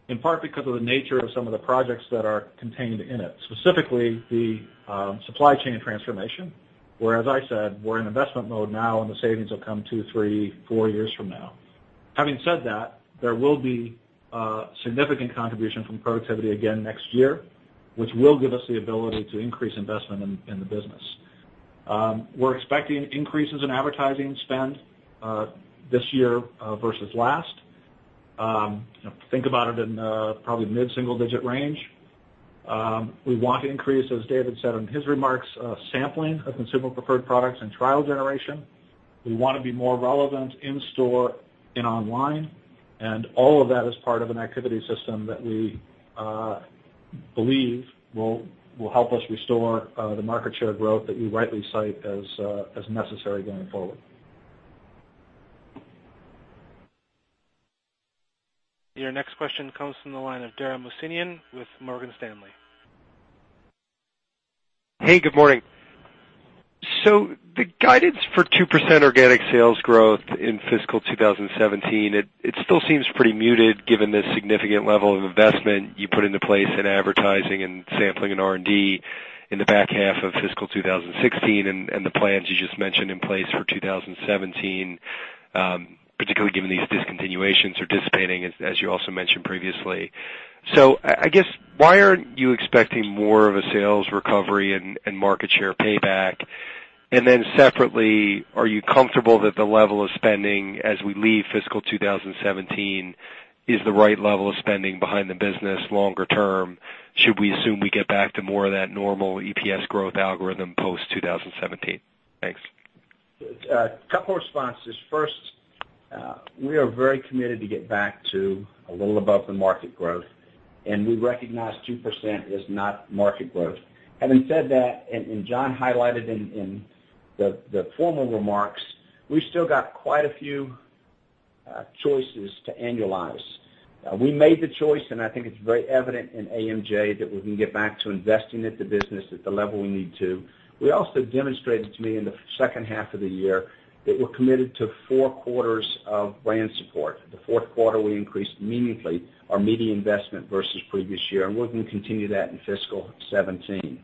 in part because of the nature of some of the projects that are contained in it, specifically the supply chain transformation. Where, as I said, we're in investment mode now, and the savings will come two, three, four years from now. Having said that, there will be a significant contribution from productivity again next year, which will give us the ability to increase investment in the business. We're expecting increases in advertising spend this year versus last. Think about it in probably mid-single-digit range. We want to increase, as David said in his remarks, sampling of consumer preferred products and trial generation. We want to be more relevant in store and online, and all of that is part of an activity system that we believe will help us restore the market share growth that you rightly cite as necessary going forward. Your next question comes from the line of Dara Mohsenian with Morgan Stanley. Hey, good morning. The guidance for 2% organic sales growth in fiscal 2017, it still seems pretty muted given the significant level of investment you put into place in advertising and sampling and R&D in the back half of fiscal 2016 and the plans you just mentioned in place for 2017, particularly given these discontinuations are dissipating, as you also mentioned previously. I guess, why aren't you expecting more of a sales recovery and market share payback? Separately, are you comfortable that the level of spending as we leave fiscal 2017 is the right level of spending behind the business longer term? Should we assume we get back to more of that normal EPS growth algorithm post-2017? Thanks. A couple of responses. First, we are very committed to get back to a little above the market growth, and we recognize 2% is not market growth. Having said that, Jon highlighted in the formal remarks, we still got quite a few choices to annualize. We made the choice, and I think it's very evident in AMJ that we can get back to investing at the business at the level we need to. We also demonstrated to me in the second half of the year that we're committed to four quarters of brand support. The fourth quarter, we increased meaningfully our media investment versus previous year, and we're going to continue that in fiscal 2017.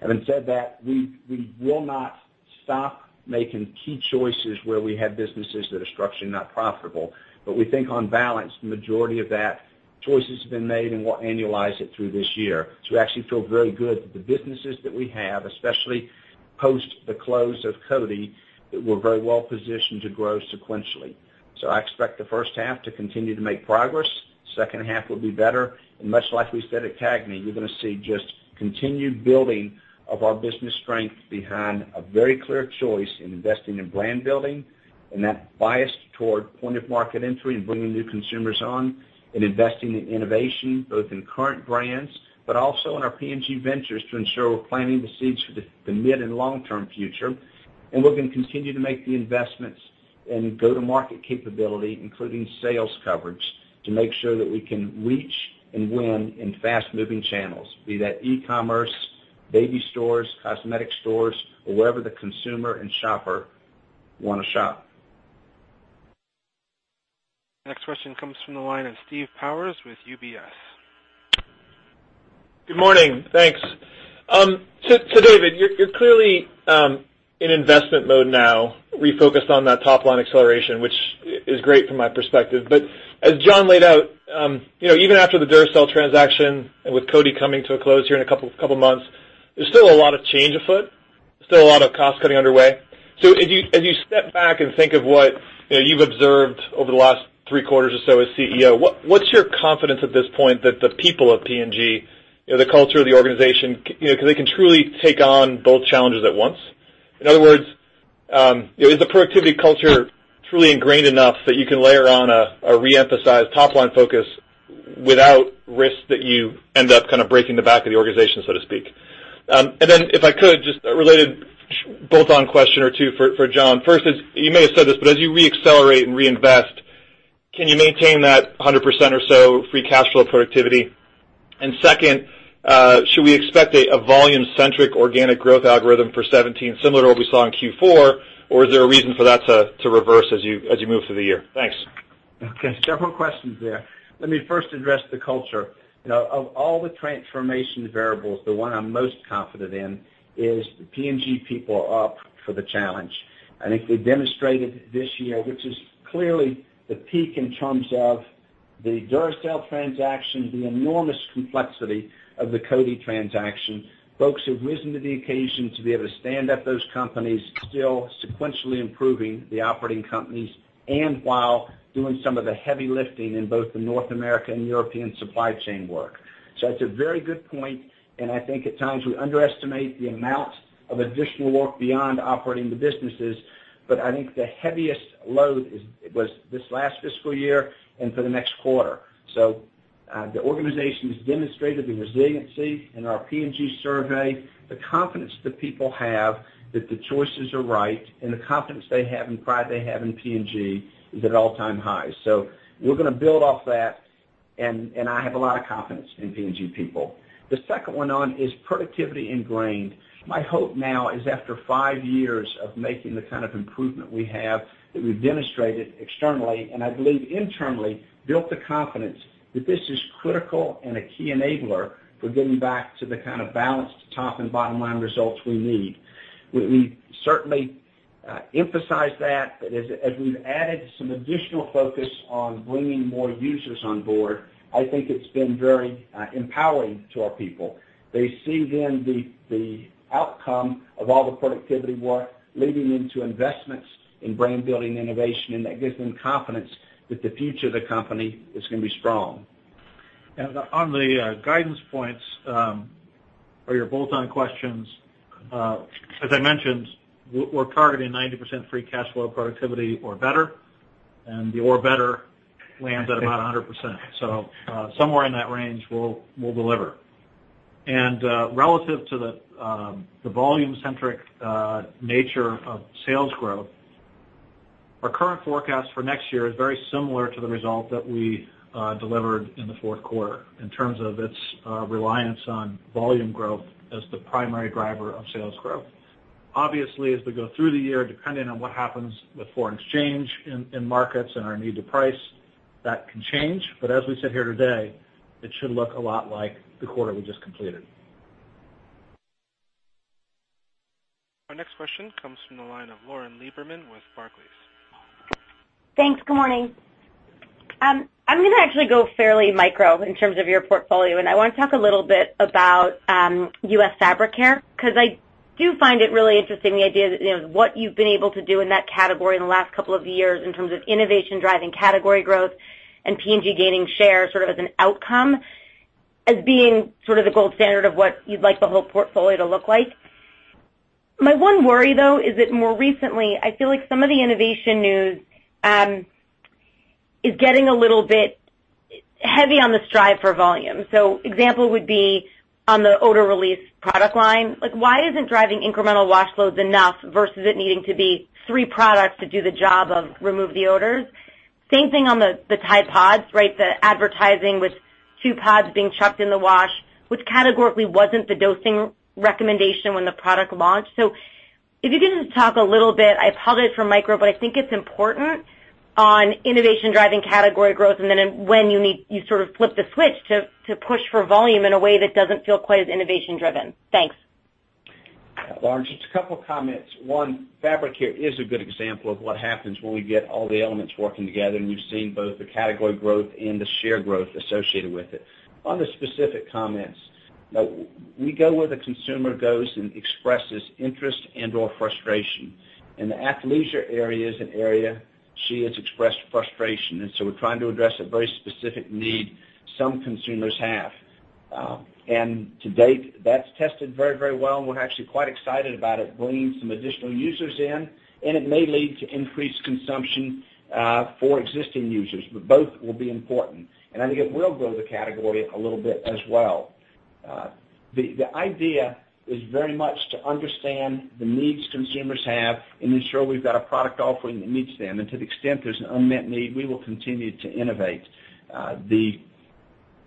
Having said that, we will not stop making key choices where we have businesses that are structurally not profitable. We think on balance, the majority of that choices have been made and we'll annualize it through this year. We actually feel very good that the businesses that we have, especially post the close of Coty, that we're very well positioned to grow sequentially. I expect the first half to continue to make progress. Second half will be better, and much like we said at CAGNY, you're going to see just continued building of our business strength behind a very clear choice in investing in brand building and that bias toward point of market entry and bringing new consumers on and investing in innovation, both in current brands, but also in our P&G Ventures to ensure we're planting the seeds for the mid and long-term future. We're going to continue to make the investments in go-to-market capability, including sales coverage, to make sure that we can reach and win in fast-moving channels, be that e-commerce, baby stores, cosmetic stores, or wherever the consumer and shopper want to shop. Next question comes from the line of Steve Powers with UBS. Good morning. Thanks. David, you're clearly in investment mode now, refocused on that top-line acceleration, which is great from my perspective. As Jon laid out, even after the Duracell transaction and with Coty coming to a close here in a couple of months, there's still a lot of change afoot, still a lot of cost-cutting underway. As you step back and think of what you've observed over the last three quarters or so as CEO, what's your confidence at this point that the people of P&G, the culture of the organization, because they can truly take on both challenges at once? In other words, is the productivity culture truly ingrained enough that you can layer on a reemphasized top-line focus without risk that you end up breaking the back of the organization, so to speak? If I could, just a related bolt-on question or two for Jon. First is, you may have said this, but as you re-accelerate and reinvest, can you maintain that 100% or so free cash flow productivity? Second, should we expect a volume-centric organic growth algorithm for 2017 similar to what we saw in Q4? Is there a reason for that to reverse as you move through the year? Thanks. Okay. Several questions there. Let me first address the culture. Of all the transformation variables, the one I'm most confident in is the P&G people are up for the challenge. I think they demonstrated this year, which is clearly the peak in terms of The Duracell transaction, the enormous complexity of the Coty transaction, folks have risen to the occasion to be able to stand up those companies, still sequentially improving the operating companies, and while doing some of the heavy lifting in both the North America and European supply chain work. That's a very good point, and I think at times we underestimate the amount of additional work beyond operating the businesses, but I think the heaviest load was this last fiscal year and for the next quarter. The organization has demonstrated the resiliency in our P&G survey, the confidence that people have that the choices are right, and the confidence they have and pride they have in P&G is at all-time highs. We're going to build off that, and I have a lot of confidence in P&G people. The second one on is productivity ingrained. My hope now is after five years of making the kind of improvement we have, that we've demonstrated externally, and I believe internally, built the confidence that this is critical and a key enabler for getting back to the kind of balanced top and bottom-line results we need. We certainly emphasize that, but as we've added some additional focus on bringing more users on board, I think it's been very empowering to our people. They see then the outcome of all the productivity work leading into investments in brand-building innovation, that gives them confidence that the future of the company is going to be strong. On the guidance points, or your bolt-on questions, as I mentioned, we're targeting 90% free cash flow productivity or better, the or better lands at about 100%. Somewhere in that range we'll deliver. Relative to the volume-centric nature of sales growth, our current forecast for next year is very similar to the result that we delivered in the fourth quarter in terms of its reliance on volume growth as the primary driver of sales growth. Obviously, as we go through the year, depending on what happens with foreign exchange in markets and our need to price, that can change, but as we sit here today, it should look a lot like the quarter we just completed. Our next question comes from the line of Lauren Lieberman with Barclays. Thanks. Good morning. I'm going to actually go fairly micro in terms of your portfolio, and I want to talk a little bit about U.S. Fabric Care, because I do find it really interesting, the idea that what you've been able to do in that category in the last couple of years in terms of innovation driving category growth and P&G gaining share sort of as an outcome, as being sort of the gold standard of what you'd like the whole portfolio to look like. My one worry, though, is that more recently, I feel like some of the innovation news is getting a little bit heavy on the strive for volume. Example would be on the odor release product line. Like why isn't driving incremental wash loads enough versus it needing to be three products to do the job of remove the odors? Same thing on the Tide PODS, right? The advertising with two pods being chucked in the wash, which categorically wasn't the dosing recommendation when the product launched. If you can just talk a little bit, I apologize for micro, but I think it's important on innovation driving category growth, and then when you sort of flip the switch to push for volume in a way that doesn't feel quite as innovation driven. Thanks. Lauren, just a couple of comments. One, Fabric Care is a good example of what happens when we get all the elements working together. We've seen both the category growth and the share growth associated with it. On the specific comments, we go where the consumer goes and expresses interest and/or frustration. In the athleisure area is an area she has expressed frustration. We're trying to address a very specific need some consumers have. To date, that's tested very well. We're actually quite excited about it bringing some additional users in. It may lead to increased consumption for existing users. Both will be important. I think it will grow the category a little bit as well. The idea is very much to understand the needs consumers have and ensure we've got a product offering that meets them. To the extent there's an unmet need, we will continue to innovate.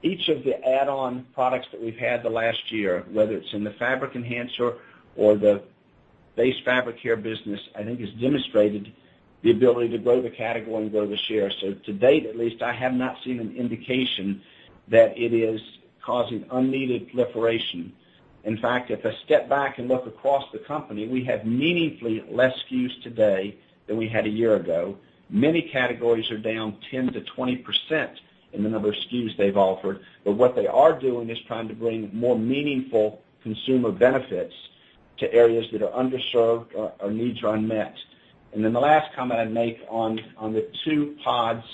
Each of the add-on products that we've had the last year, whether it's in the fabric enhancer or the base fabric care business, I think has demonstrated the ability to grow the category and grow the share. To date, at least, I have not seen an indication that it is causing unneeded proliferation. In fact, if I step back and look across the company, we have meaningfully less SKUs today than we had a year ago. Many categories are down 10%-20% in the number of SKUs they've offered. What they are doing is trying to bring more meaningful consumer benefits to areas that are underserved or needs are unmet. The last comment I'd make on the 2 pods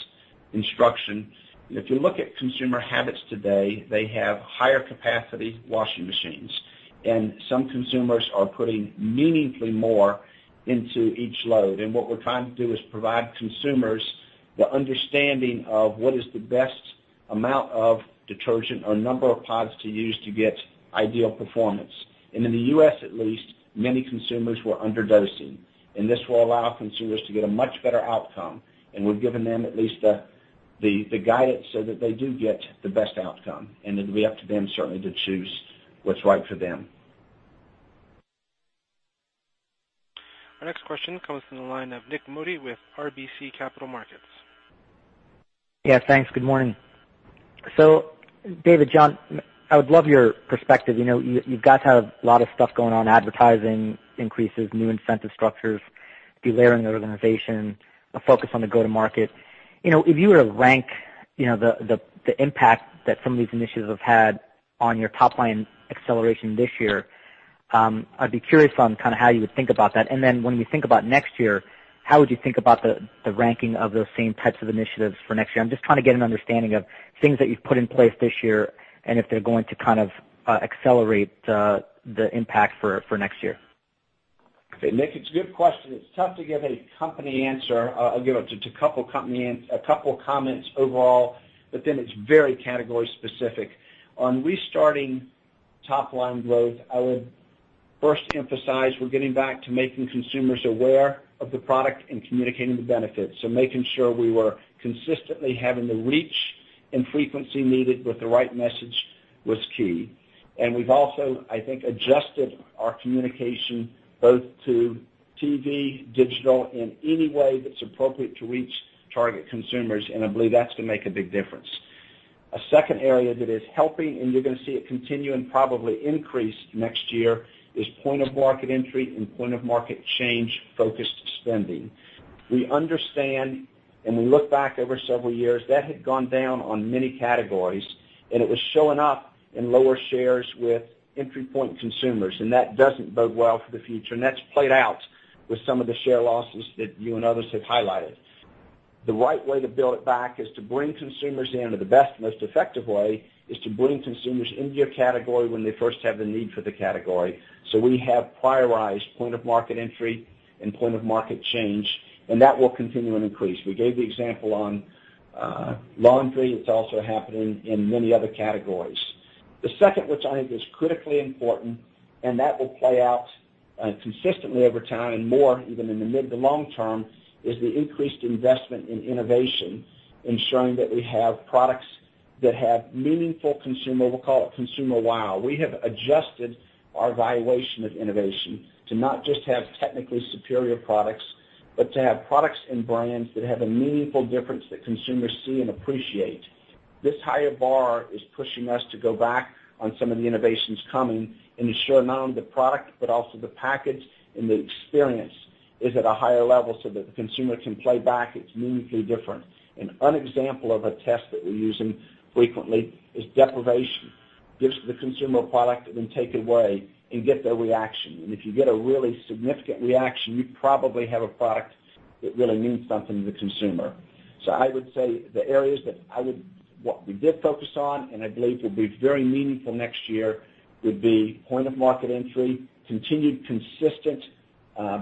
instruction, if you look at consumer habits today, they have higher capacity washing machines. Some consumers are putting meaningfully more into each load. What we're trying to do is provide consumers the understanding of what is the best amount of detergent or number of pods to use to get ideal performance. In the U.S. at least, many consumers were underdosing. This will allow consumers to get a much better outcome. We've given them at least the guidance so that they do get the best outcome. It'll be up to them certainly to choose what's right for them. Our next question comes from the line of Nik Modi with RBC Capital Markets. Yeah, thanks. Good morning. David, Jon, I would love your perspective. You guys have a lot of stuff going on, advertising increases, new incentive structures, delayering the organization, a focus on the go-to-market. If you were to rank the impact that some of these initiatives have had on your top-line acceleration this year, I'd be curious on how you would think about that. When you think about next year, how would you think about the ranking of those same types of initiatives for next year? I'm just trying to get an understanding of things that you've put in place this year and if they're going to accelerate the impact for next year. Okay, Nik, it's a good question. It's tough to give a company answer. I'll give a couple of comments overall, it's very category specific. On restarting top-line growth, I would first emphasize we're getting back to making consumers aware of the product and communicating the benefits. Making sure we were consistently having the reach and frequency needed with the right message was key. We've also, I think, adjusted our communication both to TV, digital, and any way that's appropriate to reach target consumers, and I believe that's going to make a big difference. A second area that is helping, and you're going to see it continue and probably increase next year, is point-of-market entry and point-of-market change focused spending. We understand, we look back over several years, that had gone down on many categories, it was showing up in lower shares with entry point consumers, that doesn't bode well for the future. That's played out with some of the share losses that you and others have highlighted. The right way to build it back is to bring consumers in, or the best, most effective way is to bring consumers into your category when they first have the need for the category. We have prioritized point-of-market entry and point-of-market change, that will continue and increase. We gave the example on laundry. It's also happening in many other categories. The second, which I think is critically important, that will play out consistently over time more even in the mid to long term, is the increased investment in innovation, ensuring that we have products that have meaningful consumer, we'll call it consumer wow. We have adjusted our valuation of innovation to not just have technically superior products, but to have products and brands that have a meaningful difference that consumers see and appreciate. This higher bar is pushing us to go back on some of the innovations coming ensure not only the product, but also the package and the experience is at a higher level so that the consumer can play back it's meaningfully different. An example of a test that we're using frequently is deprivation. Gives the consumer a product then take it away get their reaction. If you get a really significant reaction, you probably have a product that really means something to the consumer. I would say the areas that what we did focus on, and I believe will be very meaningful next year, would be point-of-market entry, continued consistent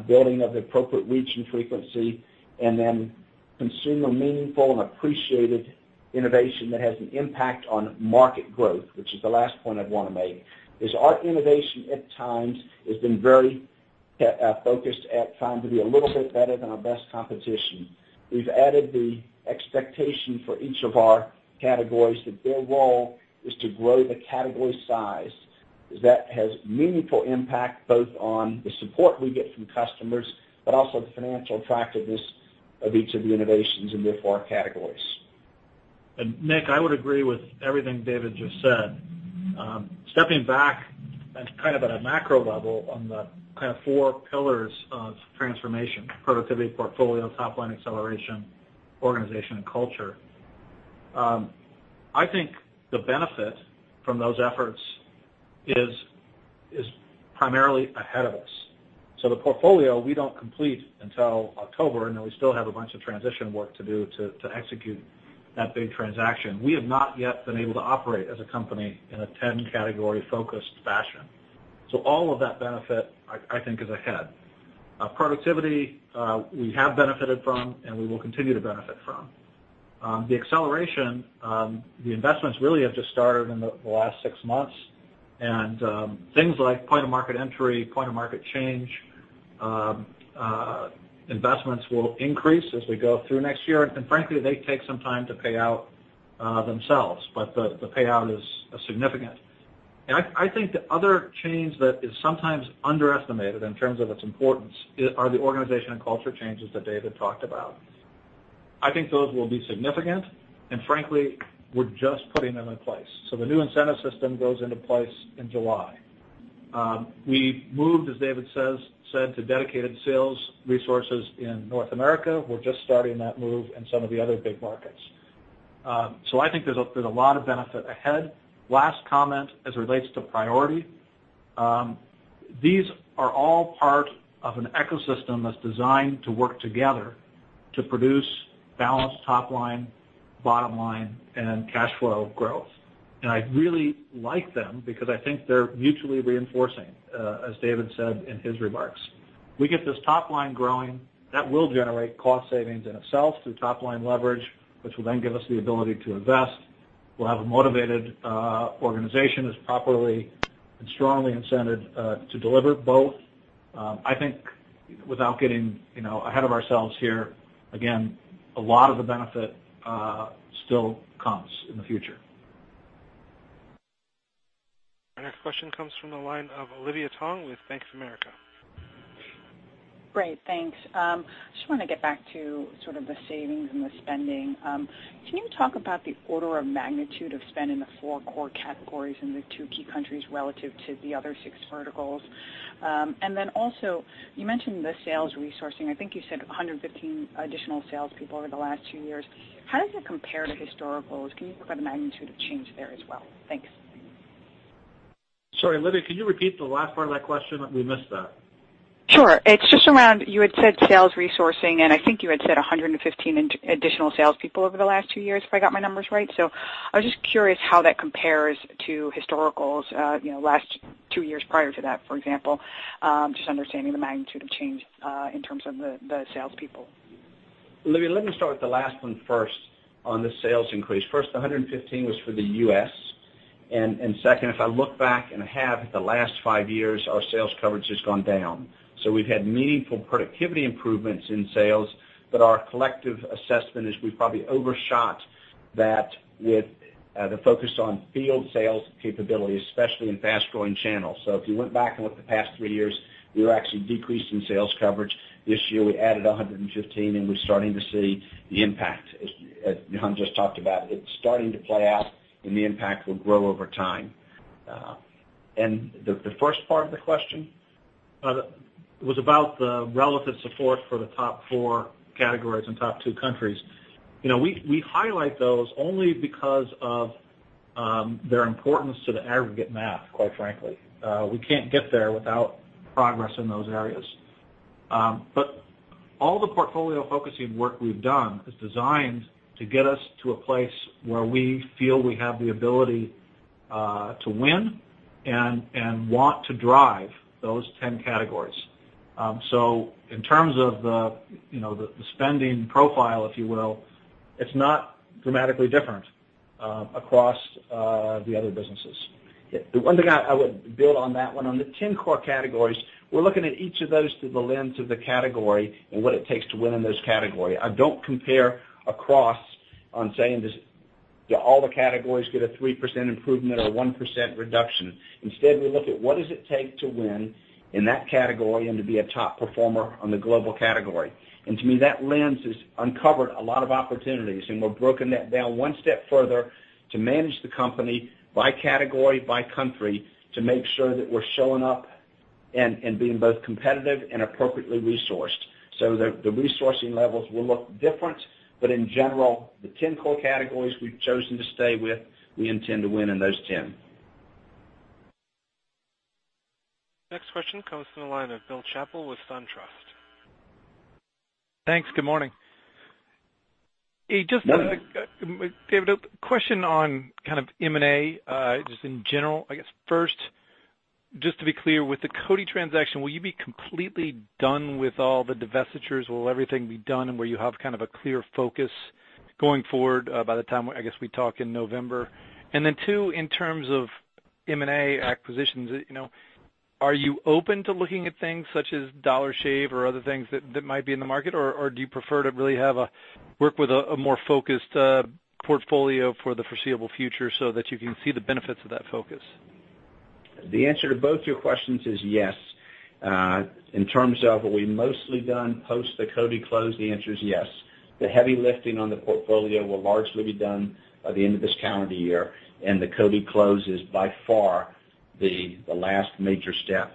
building of the appropriate reach and frequency, and then consumer meaningful and appreciated innovation that has an impact on market growth, which is the last point I'd want to make is our innovation at times has been very focused at trying to be a little bit better than our best competition. We've added the expectation for each of our categories that their role is to grow the category size. That has meaningful impact both on the support we get from customers, but also the financial attractiveness of each of the innovations and therefore our categories. Nik, I would agree with everything David Taylor just said. Stepping back and at a macro level on the four pillars of transformation, productivity, portfolio, top line acceleration, organization, and culture. I think the benefit from those efforts is primarily ahead of us. The portfolio we don't complete until October, and then we still have a bunch of transition work to do to execute that big transaction. We have not yet been able to operate as a company in a 10 category focused fashion. All of that benefit, I think, is ahead. Productivity, we have benefited from, and we will continue to benefit from. The acceleration, the investments really have just started in the last 6 months, and things like point-of-market entry, point-of-market change, investments will increase as we go through next year. Frankly, they take some time to pay out themselves, but the payout is significant. I think the other change that is sometimes underestimated in terms of its importance are the organization and culture changes that David Taylor talked about. I think those will be significant and frankly, we're just putting them in place. The new incentive system goes into place in July. We moved, as David Taylor said, to dedicated sales resources in North America. We're just starting that move in some of the other big markets. I think there's a lot of benefit ahead. Last comment as it relates to priority. These are all part of an ecosystem that's designed to work together to produce balanced top line, bottom line, and cash flow growth. I really like them because I think they're mutually reinforcing, as David Taylor said in his remarks. We get this top line growing, that will generate cost savings in itself through top-line leverage, which will then give us the ability to invest. We'll have a motivated organization that's properly and strongly incented to deliver both. I think without getting ahead of ourselves here, again, a lot of the benefit still comes in the future. Our next question comes from the line of Olivia Tong with Bank of America. Great, thanks. Just want to get back to sort of the savings and the spending. Can you talk about the order of magnitude of spend in the 4 core categories in the 2 key countries relative to the other 6 verticals? Also, you mentioned the sales resourcing. I think you said 115 additional sales people over the last two years. How does it compare to historical? Can you talk about the magnitude of change there as well? Thanks. Sorry, Olivia, can you repeat the last part of that question? We missed that. Sure. It's just around, you had said sales resourcing, and I think you had said 115 additional salespeople over the last two years, if I got my numbers right. I was just curious how that compares to historicals, last two years prior to that, for example, just understanding the magnitude of change, in terms of the salespeople. Olivia, let me start with the last one first on the sales increase. First, the 115 was for the U.S., and second, if I look back and a half, the last five years, our sales coverage has gone down. We've had meaningful productivity improvements in sales, but our collective assessment is we probably overshot that with the focus on field sales capability, especially in fast-growing channels. If you went back and looked the past three years, we were actually decreasing sales coverage. This year, we added 115, and we're starting to see the impact, as John just talked about. It's starting to play out and the impact will grow over time. The first part of the question? It was about the relative support for the top 4 categories and top two countries. We highlight those only because of their importance to the aggregate math, quite frankly. We can't get there without progress in those areas. All the portfolio-focusing work we've done is designed to get us to a place where we feel we have the ability to win and want to drive those 10 categories. In terms of the spending profile, if you will, it's not dramatically different across the other businesses. The one thing I would build on that one, on the 10 core categories, we're looking at each of those through the lens of the category and what it takes to win in those categories. I don't compare across on saying all the categories get a 3% improvement or 1% reduction. Instead, we look at what does it take to win in that category and to be a top performer on the global category. To me, that lens has uncovered a lot of opportunities, and we've broken that down one step further to manage the company by category, by country, to make sure that we're showing up and being both competitive and appropriately resourced. The resourcing levels will look different. In general, the 10 core categories we've chosen to stay with, we intend to win in those 10. Next question comes from the line of Bill Chappell with SunTrust. Thanks. Good morning. David Taylor, a question on kind of M&A, just in general, I guess. First, just to be clear, with the Coty transaction, will you be completely done with all the divestitures? Will everything be done and where you have kind of a clear focus going forward by the time, I guess, we talk in November? Then two, in terms of M&A acquisitions, are you open to looking at things such as Dollar Shave or other things that might be in the market? Do you prefer to really work with a more focused portfolio for the foreseeable future so that you can see the benefits of that focus? The answer to both your questions is yes. In terms of are we mostly done post the Coty close, the answer is yes. The heavy lifting on the portfolio will largely be done by the end of this calendar year, and the Coty close is by far the last major step.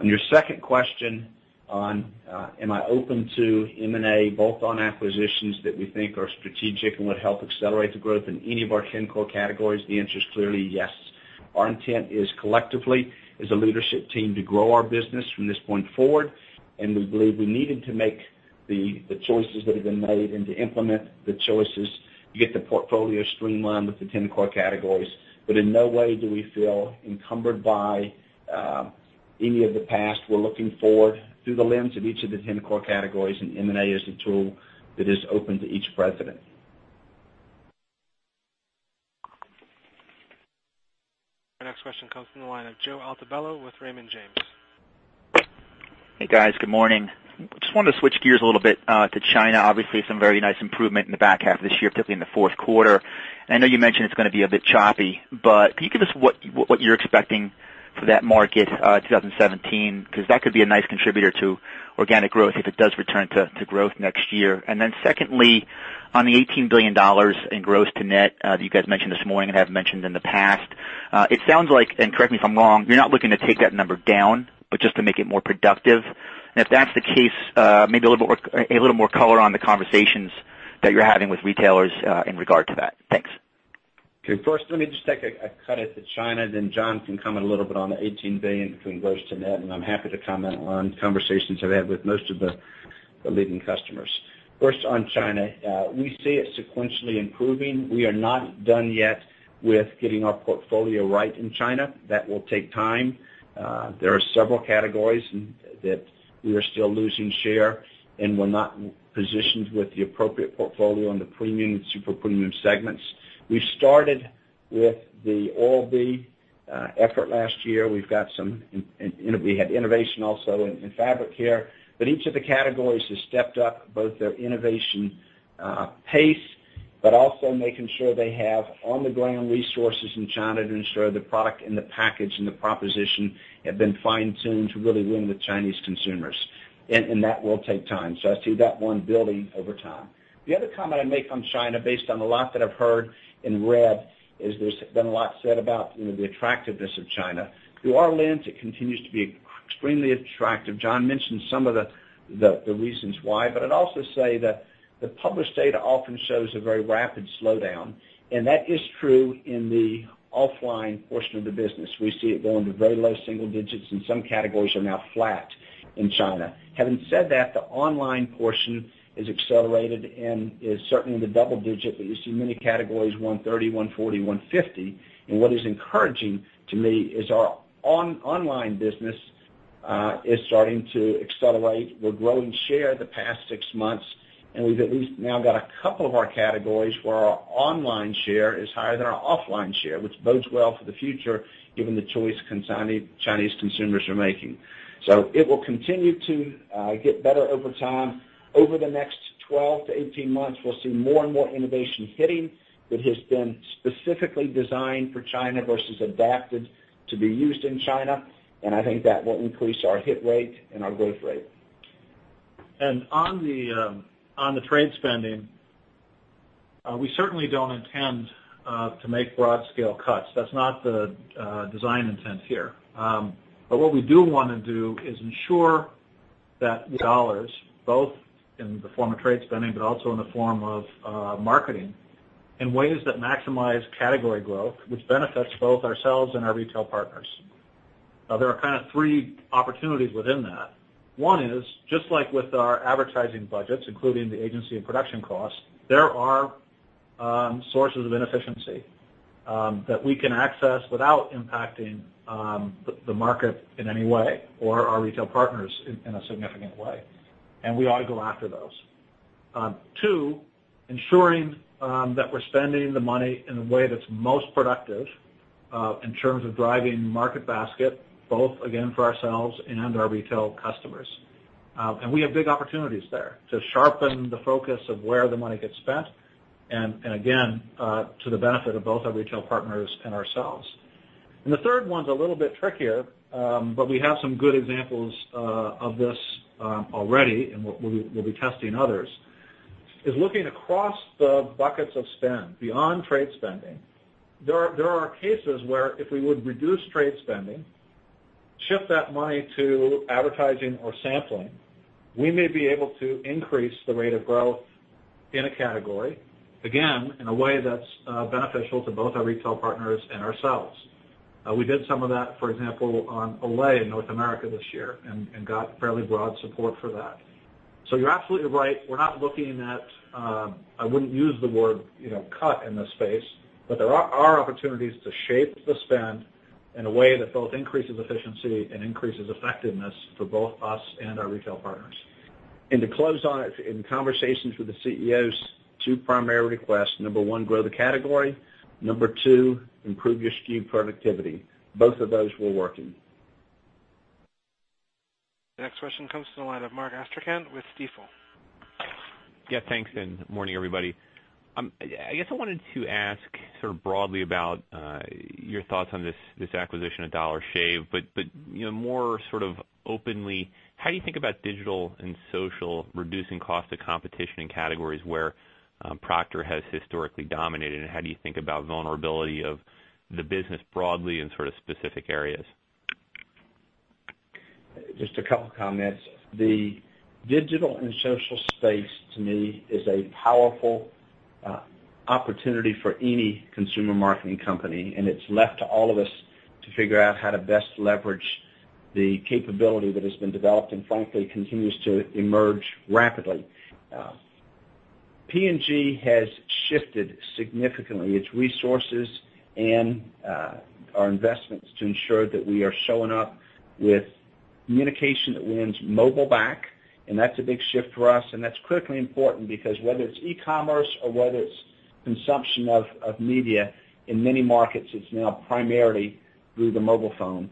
On your second question on, am I open to M&A, both on acquisitions that we think are strategic and would help accelerate the growth in any of our 10 core categories, the answer is clearly yes. Our intent is collectively as a leadership team to grow our business from this point forward, and we believe we needed to make the choices that have been made and to implement the choices to get the portfolio streamlined with the 10 core categories. In no way do we feel encumbered by any of the past. We're looking forward through the lens of each of the 10 core categories, and M&A is a tool that is open to each president. Our next question comes from the line of Joe Altobello with Raymond James. Hey, guys. Good morning. Just wanted to switch gears a little bit to China. Obviously, some very nice improvement in the back half of this year, particularly in the fourth quarter. I know you mentioned it's gonna be a bit choppy. Can you give us what you're expecting for that market, 2017? Because that could be a nice contributor to organic growth if it does return to growth next year. Secondly, on the $18 billion in gross to net that you guys mentioned this morning and have mentioned in the past. It sounds like, correct me if I'm wrong, you're not looking to take that number down, just to make it more productive. If that's the case, maybe a little more color on the conversations that you're having with retailers in regard to that. Thanks. Okay. First, let me just take a cut at the China, then John can comment a little bit on the $18 billion between gross to net, and I'm happy to comment on conversations I've had with most of the leading customers. First on China, we see it sequentially improving. We are not done yet with getting our portfolio right in China. That will take time. There are several categories that we are still losing share, and we're not positioned with the appropriate portfolio on the premium and super premium segments. We started with the All B effort last year. We had innovation also in fabric care. Each of the categories has stepped up both their innovation pace But also making sure they have on-the-ground resources in China to ensure the product and the package and the proposition have been fine-tuned to really win with Chinese consumers. That will take time. I see that one building over time. The other comment I'd make on China, based on the lot that I've heard and read, is there's been a lot said about the attractiveness of China. Through our lens, it continues to be extremely attractive. Jon mentioned some of the reasons why, but I'd also say that the published data often shows a very rapid slowdown, and that is true in the offline portion of the business. We see it going to very low single digits, and some categories are now flat in China. Having said that, the online portion has accelerated and is certainly in the double digit, but you see many categories, 130, 140, 150. What is encouraging to me is our online business is starting to accelerate. We're growing share the past six months, and we've at least now got a couple of our categories where our online share is higher than our offline share, which bodes well for the future given the choice Chinese consumers are making. It will continue to get better over time. Over the next 12 to 18 months, we'll see more and more innovation hitting that has been specifically designed for China versus adapted to be used in China. I think that will increase our hit rate and our growth rate. On the trade spending, we certainly don't intend to make broad-scale cuts. That's not the design intent here. What we do want to do is ensure that the dollars, both in the form of trade spending, but also in the form of marketing, in ways that maximize category growth, which benefits both ourselves and our retail partners. There are kind of three opportunities within that. One is, just like with our advertising budgets, including the agency and production costs, there are sources of inefficiency that we can access without impacting the market in any way, or our retail partners in a significant way. We ought to go after those. Two, ensuring that we're spending the money in a way that's most productive in terms of driving market basket, both again, for ourselves and our retail customers. We have big opportunities there to sharpen the focus of where the money gets spent, and again, to the benefit of both our retail partners and ourselves. The third one's a little bit trickier, but we have some good examples of this already, and we'll be testing others, is looking across the buckets of spend beyond trade spending. There are cases where if we would reduce trade spending, shift that money to advertising or sampling, we may be able to increase the rate of growth in a category, again, in a way that's beneficial to both our retail partners and ourselves. We did some of that, for example, on Olay in North America this year, and got fairly broad support for that. You're absolutely right. I wouldn't use the word cut in this space, but there are opportunities to shape the spend in a way that both increases efficiency and increases effectiveness for both us and our retail partners. To close on it, in conversations with the CEOs, two primary requests. Number one, grow the category. Number two, improve your SKU productivity. Both of those we're working. The next question comes to the line of Mark Astrachan with Stifel. Yeah, thanks, morning, everybody. I guess I wanted to ask sort of broadly about your thoughts on this acquisition of Dollar Shave, but more sort of openly, how do you think about digital and social reducing cost of competition in categories where Procter has historically dominated, and how do you think about vulnerability of the business broadly in sort of specific areas? Just a couple comments. The digital and social space, to me, is a powerful opportunity for any consumer marketing company. It's left to all of us to figure out how to best leverage the capability that has been developed and frankly, continues to emerge rapidly. P&G has shifted significantly its resources and our investments to ensure that we are showing up with communication that wins mobile back. That's a big shift for us. That's critically important because whether it's e-commerce or whether it's consumption of media, in many markets, it's now primarily through the mobile phone.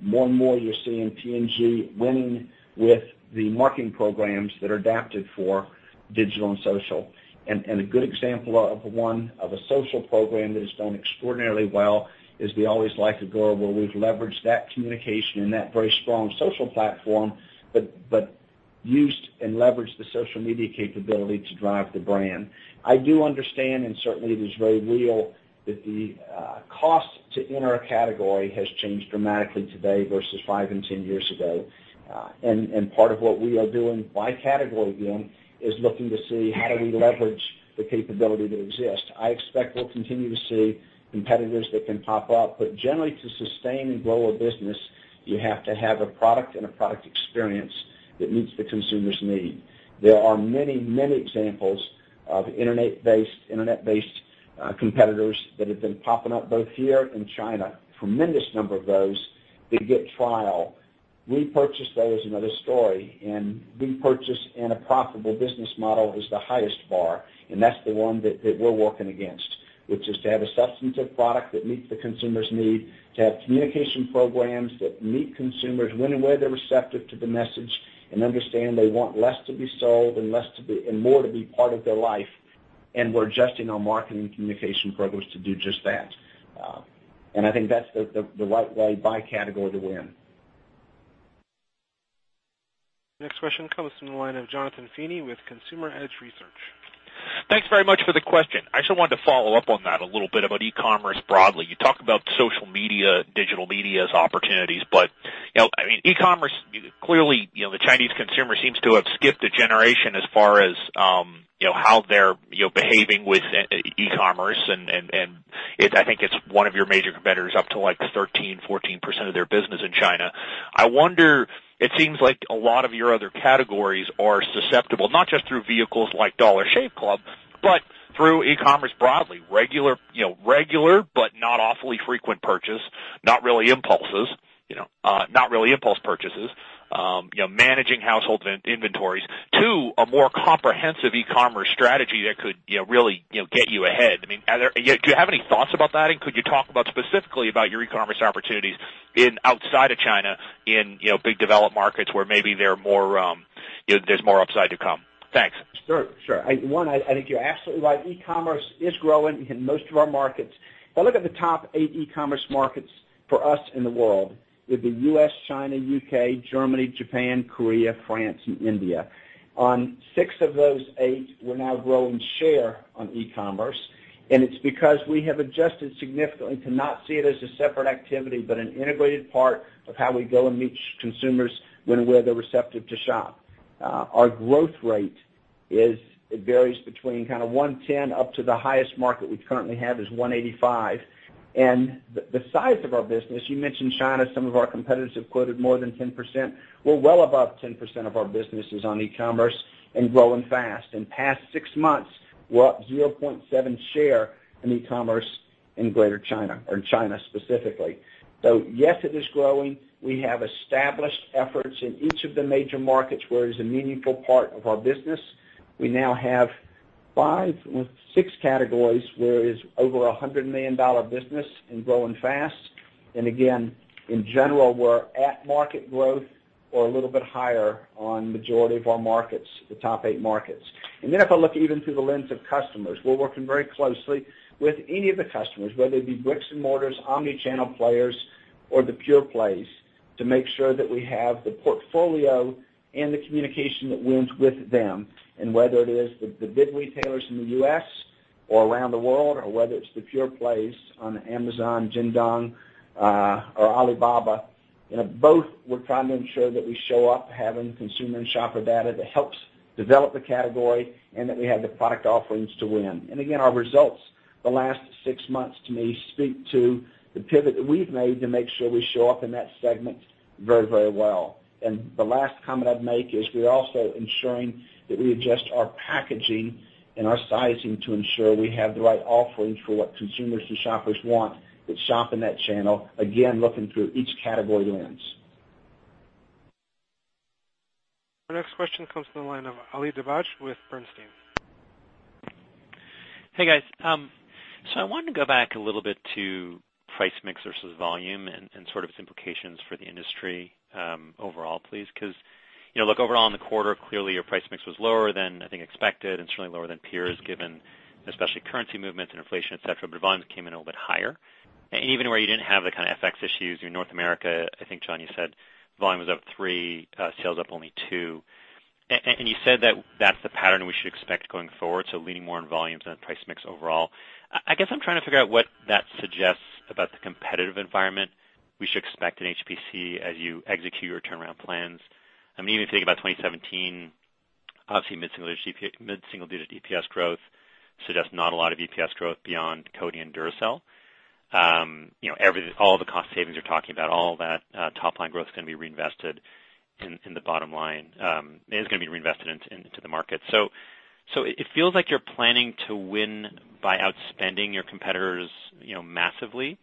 More and more, you're seeing P&G winning with the marketing programs that are adapted for digital and social. A good example of one of a social program that has done extraordinarily well is the Always Like a Girl, where we've leveraged that communication and that very strong social platform, but used and leveraged the social media capability to drive the brand. I do understand, and certainly it is very real, that the cost to enter a category has changed dramatically today versus five and 10 years ago. Part of what we are doing by category again, is looking to see how do we leverage the capability that exists. I expect we'll continue to see competitors that can pop up, but generally, to sustain and grow a business, you have to have a product and a product experience that meets the consumer's need. There are many, many examples of Internet-based competitors that have been popping up both here and China. Tremendous number of those that get trial. Repurchase, though, is another story. Repurchase in a profitable business model is the highest bar, and that's the one that we're working against. Which is to have a substantive product that meets the consumer's need, to have communication programs that meet consumers when and where they're receptive to the message, and understand they want less to be sold and more to be part of their life. We're adjusting our marketing communication programs to do just that. I think that's the right way, by category, to win. Next question comes from the line of Jonathan Feeney with Consumer Edge Research. Thanks very much for the question. I just wanted to follow up on that a little bit about e-commerce broadly. You talk about social media, digital media as opportunities, e-commerce, clearly, the Chinese consumer seems to have skipped a generation as far as how they're behaving with e-commerce, and I think it's one of your major competitors, up to like 13%-14% of their business in China. I wonder, it seems like a lot of your other categories are susceptible, not just through vehicles like Dollar Shave Club, through e-commerce broadly. Regular, not awfully frequent purchase, not really impulse purchases. Managing household inventories. Two, a more comprehensive e-commerce strategy that could really get you ahead. Do you have any thoughts about that? Could you talk about specifically about your e-commerce opportunities outside of China, in big developed markets where maybe there's more upside to come? Thanks. Sure. One, I think you're absolutely right. E-commerce is growing in most of our markets. If I look at the top 8 e-commerce markets for us in the world, it'd be U.S., China, U.K., Germany, Japan, Korea, France, and India. On 6 of those 8, we're now growing share on e-commerce. It's because we have adjusted significantly to not see it as a separate activity, but an integrated part of how we go and meet consumers when, where they're receptive to shop. Our growth rate, it varies between 110% up to the highest market we currently have is 185%. The size of our business, you mentioned China, some of our competitors have quoted more than 10%. We're well above 10% of our businesses on e-commerce and growing fast. In past 6 months, we're up 0.7% share in e-commerce in Greater China or China specifically. Yes, it is growing. We have established efforts in each of the major markets where it is a meaningful part of our business. We now have 5, 6 categories where it is over $100 million business and growing fast. Again, in general, we're at market growth or a little bit higher on majority of our markets, the top 8 markets. Then if I look even through the lens of customers, we're working very closely with any of the customers, whether it be bricks and mortars, omni-channel players or the pure plays, to make sure that we have the portfolio and the communication that wins with them. Whether it is the big retailers in the U.S. or around the world, or whether it's the pure plays on Amazon, Jingdong, or Alibaba. Both, we're trying to ensure that we show up having consumer and shopper data that helps develop the category and that we have the product offerings to win. Again, our results the last six months, to me, speak to the pivot that we've made to make sure we show up in that segment very well. The last comment I'd make is we're also ensuring that we adjust our packaging and our sizing to ensure we have the right offerings for what consumers and shoppers want that shop in that channel. Again, looking through each category lens. Our next question comes from the line of Ali Dibadj with Bernstein. Hey, guys. I wanted to go back a little bit to price mix versus volume and its implications for the industry overall, please. Look, overall in the quarter, clearly your price mix was lower than, I think, expected, and certainly lower than peers, given especially currency movements and inflation, et cetera. Volumes came in a little bit higher. Even where you didn't have the kind of FX issues in North America, I think, Jon, you said volume was up 3, sales up only 2. You said that that's the pattern we should expect going forward, so leaning more on volumes than price mix overall. I guess I'm trying to figure out what that suggests about the competitive environment we should expect in HPC as you execute your turnaround plans. Even thinking about 2017, obviously mid-single digit EPS growth suggests not a lot of EPS growth beyond Coty and Duracell. All the cost savings you're talking about, all that top-line growth is going to be reinvested in the bottom line, is going to be reinvested into the market. So it feels like you're planning to win by outspending your competitors massively,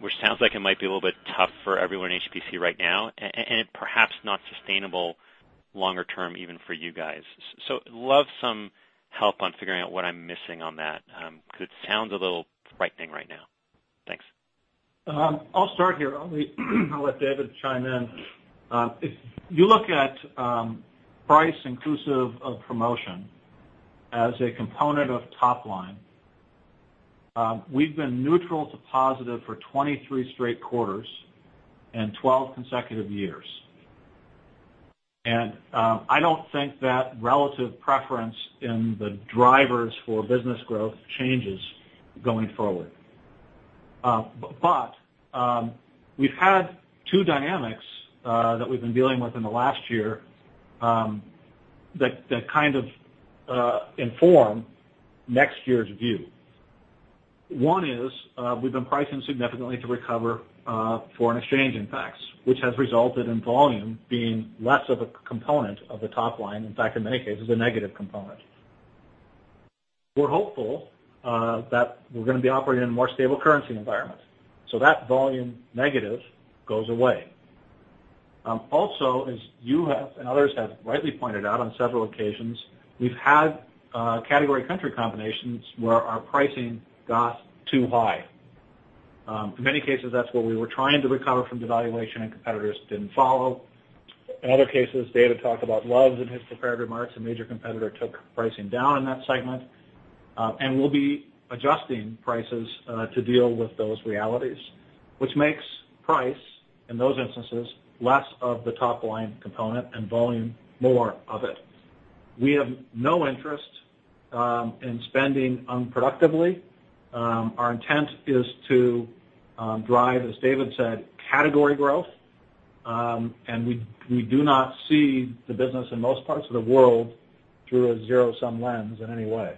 which sounds like it might be a little bit tough for everyone in HPC right now, and perhaps not sustainable longer term, even for you guys. So love some help on figuring out what I'm missing on that. Because it sounds a little frightening right now. Thanks. I'll start here. I'll let David chime in. If you look at price inclusive of promotion as a component of top line, we've been neutral to positive for 23 straight quarters and 12 consecutive years. And I don't think that relative preference in the drivers for business growth changes going forward. But, we've had two dynamics that we've been dealing with in the last year that kind of inform next year's view. One is, we've been pricing significantly to recover foreign exchange impacts, which has resulted in volume being less of a component of the top line. In fact, in many cases, a negative component. We're hopeful that we're going to be operating in a more stable currency environment. So that volume negative goes away. Also, as you have, and others have rightly pointed out on several occasions, we've had category country combinations where our pricing got too high. In many cases, that's where we were trying to recover from devaluation and competitors didn't follow. In other cases, David talked about Luvs in his prepared remarks, a major competitor took pricing down in that segment. And we'll be adjusting prices to deal with those realities, which makes price, in those instances, less of the top-line component, and volume more of it. We have no interest in spending unproductively. Our intent is to drive, as David said, category growth, and we do not see the business in most parts of the world through a zero-sum lens in any way.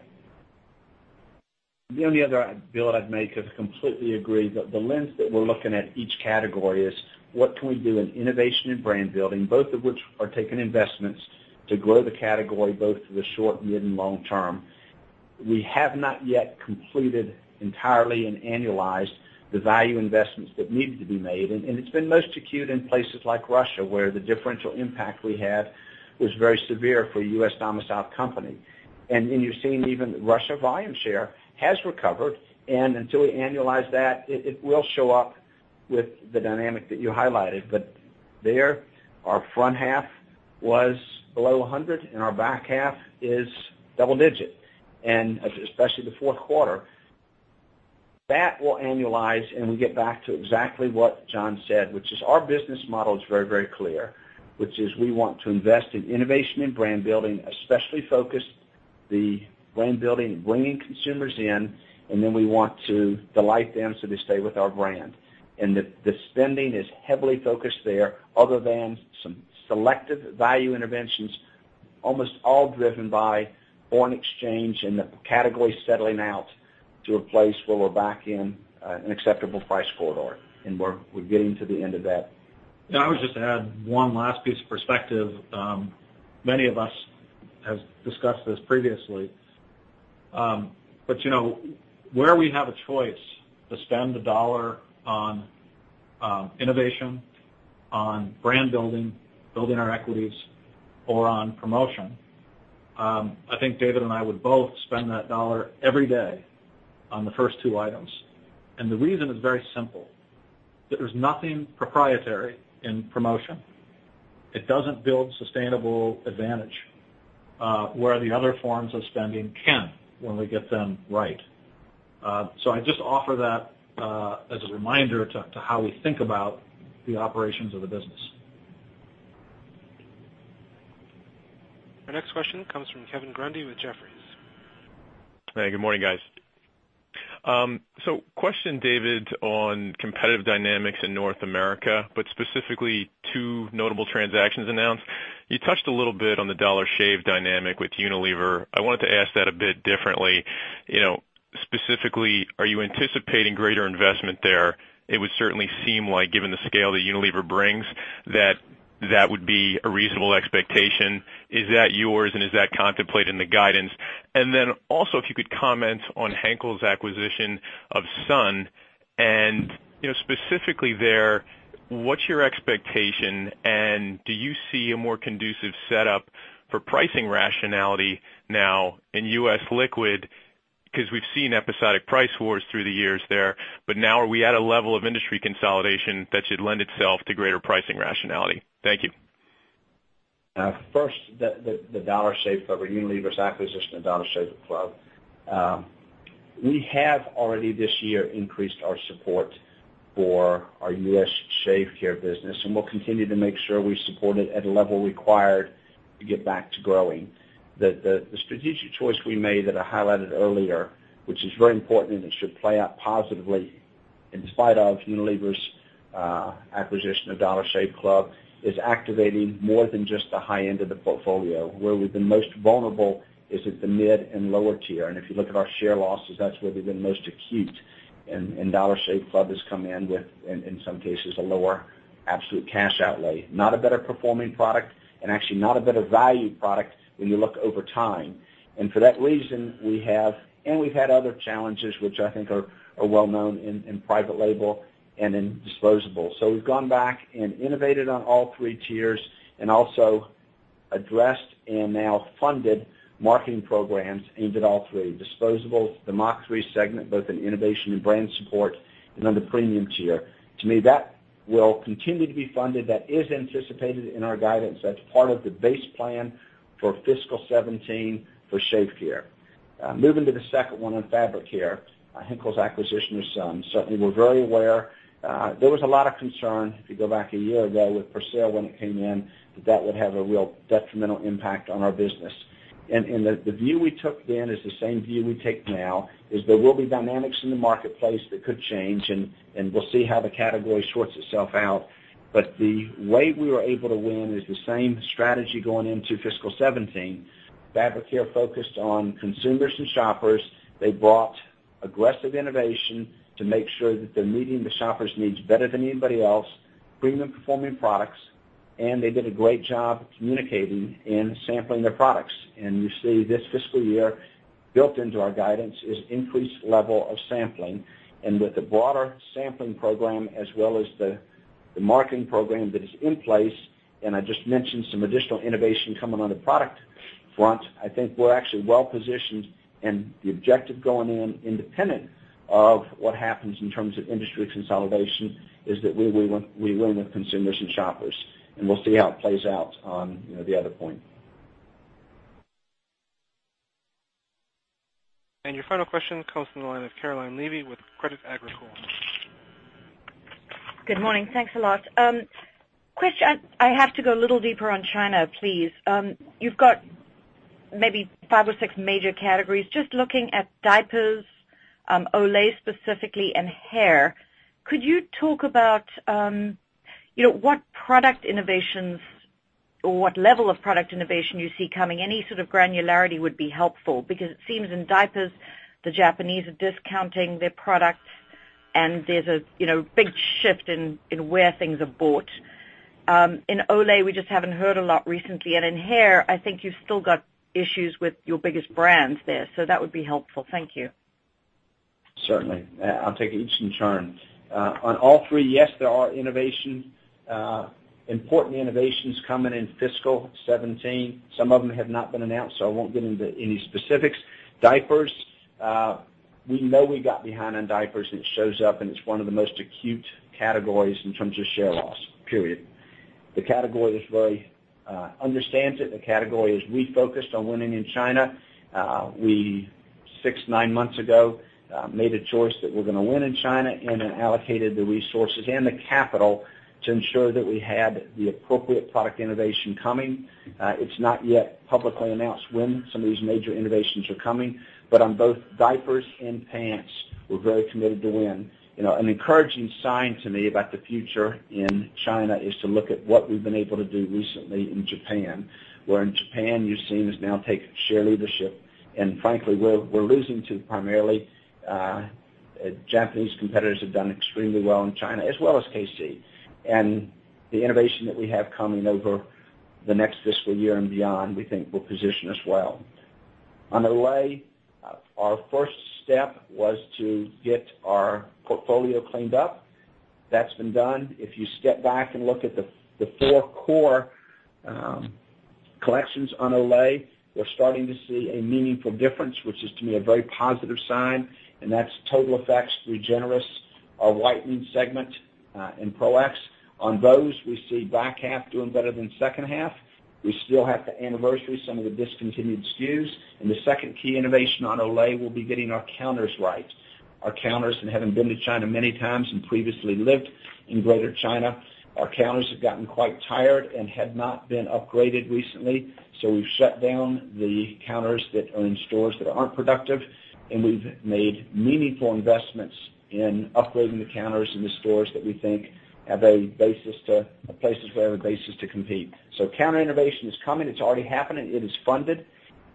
The only other Bill I'd make is completely agree that the lens that we're looking at each category is what can we do in innovation and brand building, both of which are taking investments to grow the category, both through the short, mid, and long term. We have not yet completed entirely and annualized the value investments that needed to be made, and it's been most acute in places like Russia, where the differential impact we had was very severe for a U.S.-domiciled company. And then you're seeing even Russia volume share has recovered, and until we annualize that, it will show up with the dynamic that you highlighted. But there, our front half was below 100, and our back half is double digit, and especially the fourth quarter. That will annualize. We get back to exactly what Jon said, which is our business model is very clear, which is we want to invest in innovation and brand building, especially focused the brand building, bringing consumers in. Then we want to delight them so they stay with our brand. The spending is heavily focused there, other than some selective value interventions, almost all driven by foreign exchange and the category settling out to a place where we're back in an acceptable price corridor. We're getting to the end of that. I would just add one last piece of perspective. Many of us have discussed this previously. Where we have a choice to spend a dollar on innovation, on brand building our equities, or on promotion, I think David and I would both spend that dollar every day on the first two items. The reason is very simple. There's nothing proprietary in promotion. It doesn't build sustainable advantage, where the other forms of spending can when we get them right. I just offer that as a reminder to how we think about the operations of the business. Our next question comes from Kevin Grundy with Jefferies. Hey, good morning, guys. Question, David, on competitive dynamics in North America, but specifically two notable transactions announced. You touched a little bit on the Dollar Shave dynamic with Unilever. I wanted to ask that a bit differently. Specifically, are you anticipating greater investment there? It would certainly seem like given the scale that Unilever brings, that that would be a reasonable expectation. Is that yours, and is that contemplated in the guidance? Then also, if you could comment on Henkel's acquisition of Sun, and specifically there, what's your expectation, and do you see a more conducive setup for pricing rationality now in US Liquid, because we've seen episodic price wars through the years there, but now are we at a level of industry consolidation that should lend itself to greater pricing rationality? Thank you. First, the Dollar Shave Club, or Unilever's acquisition of Dollar Shave Club. We have already this year increased our support for our U.S. shave care business, and we'll continue to make sure we support it at a level required to get back to growing. The strategic choice we made that I highlighted earlier, which is very important and should play out positively in spite of Unilever's acquisition of Dollar Shave Club, is activating more than just the high end of the portfolio. Where we've been most vulnerable is at the mid and lower tier, and if you look at our share losses, that's where they've been most acute, and Dollar Shave Club has come in with, in some cases, a lower absolute cash outlay. Not a better performing product, and actually not a better valued product when you look over time. For that reason, we've had other challenges, which I think are well known in private label and in disposable. We've gone back and innovated on all three tiers and also addressed and now funded marketing programs aimed at all three, disposable, the Mach3 segment, both in innovation and brand support, and on the premium tier. To me, that will continue to be funded. That is anticipated in our guidance. That's part of the base plan for FY 2017 for shave care. Moving to the second one on fabric care, Henkel's acquisition of Sun. Certainly, we're very aware. There was a lot of concern, if you go back a year ago, with Persil when it came in, that that would have a real detrimental impact on our business. The view we took then is the same view we take now, is there will be dynamics in the marketplace that could change, and we'll see how the category sorts itself out. The way we were able to win is the same strategy going into FY 2017. Fabric care focused on consumers and shoppers. They brought aggressive innovation to make sure that they're meeting the shoppers' needs better than anybody else, premium performing products, and they did a great job communicating and sampling their products. You see this fiscal year built into our guidance is increased level of sampling, and with the broader sampling program, as well as the marketing program that is in place, and I just mentioned some additional innovation coming on the product front, I think we're actually well-positioned. The objective going in, independent of what happens in terms of industry consolidation, is that we win with consumers and shoppers, and we'll see how it plays out on the other point. Your final question comes from the line of Caroline Levy with Credit Agricole. Good morning. Thanks a lot. I have to go a little deeper on China, please. You've got maybe five or six major categories. Just looking at diapers, Olay specifically, and hair, could you talk about what product innovations or what level of product innovation you see coming? Any sort of granularity would be helpful because it seems in diapers, the Japanese are discounting their products and there's a big shift in where things are bought. In Olay, we just haven't heard a lot recently. In hair, I think you've still got issues with your biggest brands there, so that would be helpful. Thank you. Certainly. I'll take each in turn. On all three, yes, there are important innovations coming in fiscal 2017. Some of them have not been announced, so I won't get into any specifics. Diapers. We know we got behind on diapers, and it shows up, and it's one of the most acute categories in terms of share loss, period. The category understands it. The category is refocused on winning in China. We, six, nine months ago, made a choice that we're going to win in China and then allocated the resources and the capital to ensure that we had the appropriate product innovation coming. It's not yet publicly announced when some of these major innovations are coming, but on both diapers and pants, we're very committed to win. An encouraging sign to me about the future in China is to look at what we've been able to do recently in Japan, where in Japan you're seeing us now take share leadership, and frankly, we're losing to primarily Japanese competitors who've done extremely well in China, as well as KC. The innovation that we have coming over the next fiscal year and beyond, we think will position us well. On Olay, our first step was to get our portfolio cleaned up. That's been done. If you step back and look at the 4 core collections on Olay, we're starting to see a meaningful difference, which is to me a very positive sign, and that's Total Effects, Regenerist, our whitening segment, and Pro-X. On those, we see back half doing better than second half. We still have to anniversary some of the discontinued SKUs. The second key innovation on Olay will be getting our counters right. Our counters, and having been to China many times and previously lived in Greater China, our counters have gotten quite tired and had not been upgraded recently. We've shut down the counters that are in stores that aren't productive, and we've made meaningful investments in upgrading the counters in the stores that we think have places where they have a basis to compete. Counter innovation is coming. It's already happening. It is funded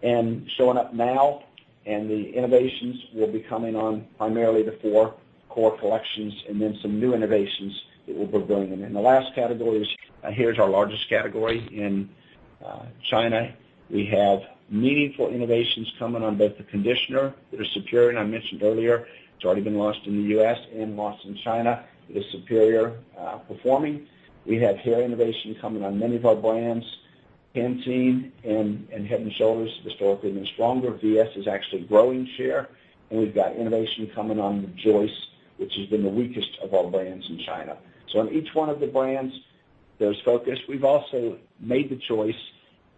and showing up now, and the innovations will be coming on primarily the four core collections and then some new innovations that we'll be bringing in. The last category is hair. It's our largest category in China. We have meaningful innovations coming on both the conditioner that are superior, and I mentioned earlier, it's already been launched in the U.S. and launched in China, it is superior performing. We have hair innovation coming on many of our brands. Pantene and Head & Shoulders historically have been stronger. VS is actually growing share. We've got innovation coming on Rejoice, which has been the weakest of our brands in China. On each one of the brands, there's focus. We've also made the choice,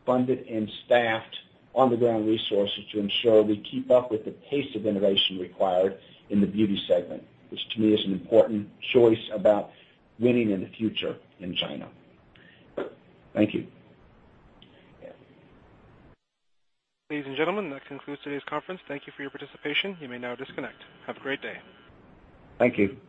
funded, and staffed on-the-ground resources to ensure we keep up with the pace of innovation required in the beauty segment, which to me is an important choice about winning in the future in China. Thank you. Ladies and gentlemen, that concludes today's conference. Thank you for your participation. You may now disconnect. Have a great day. Thank you.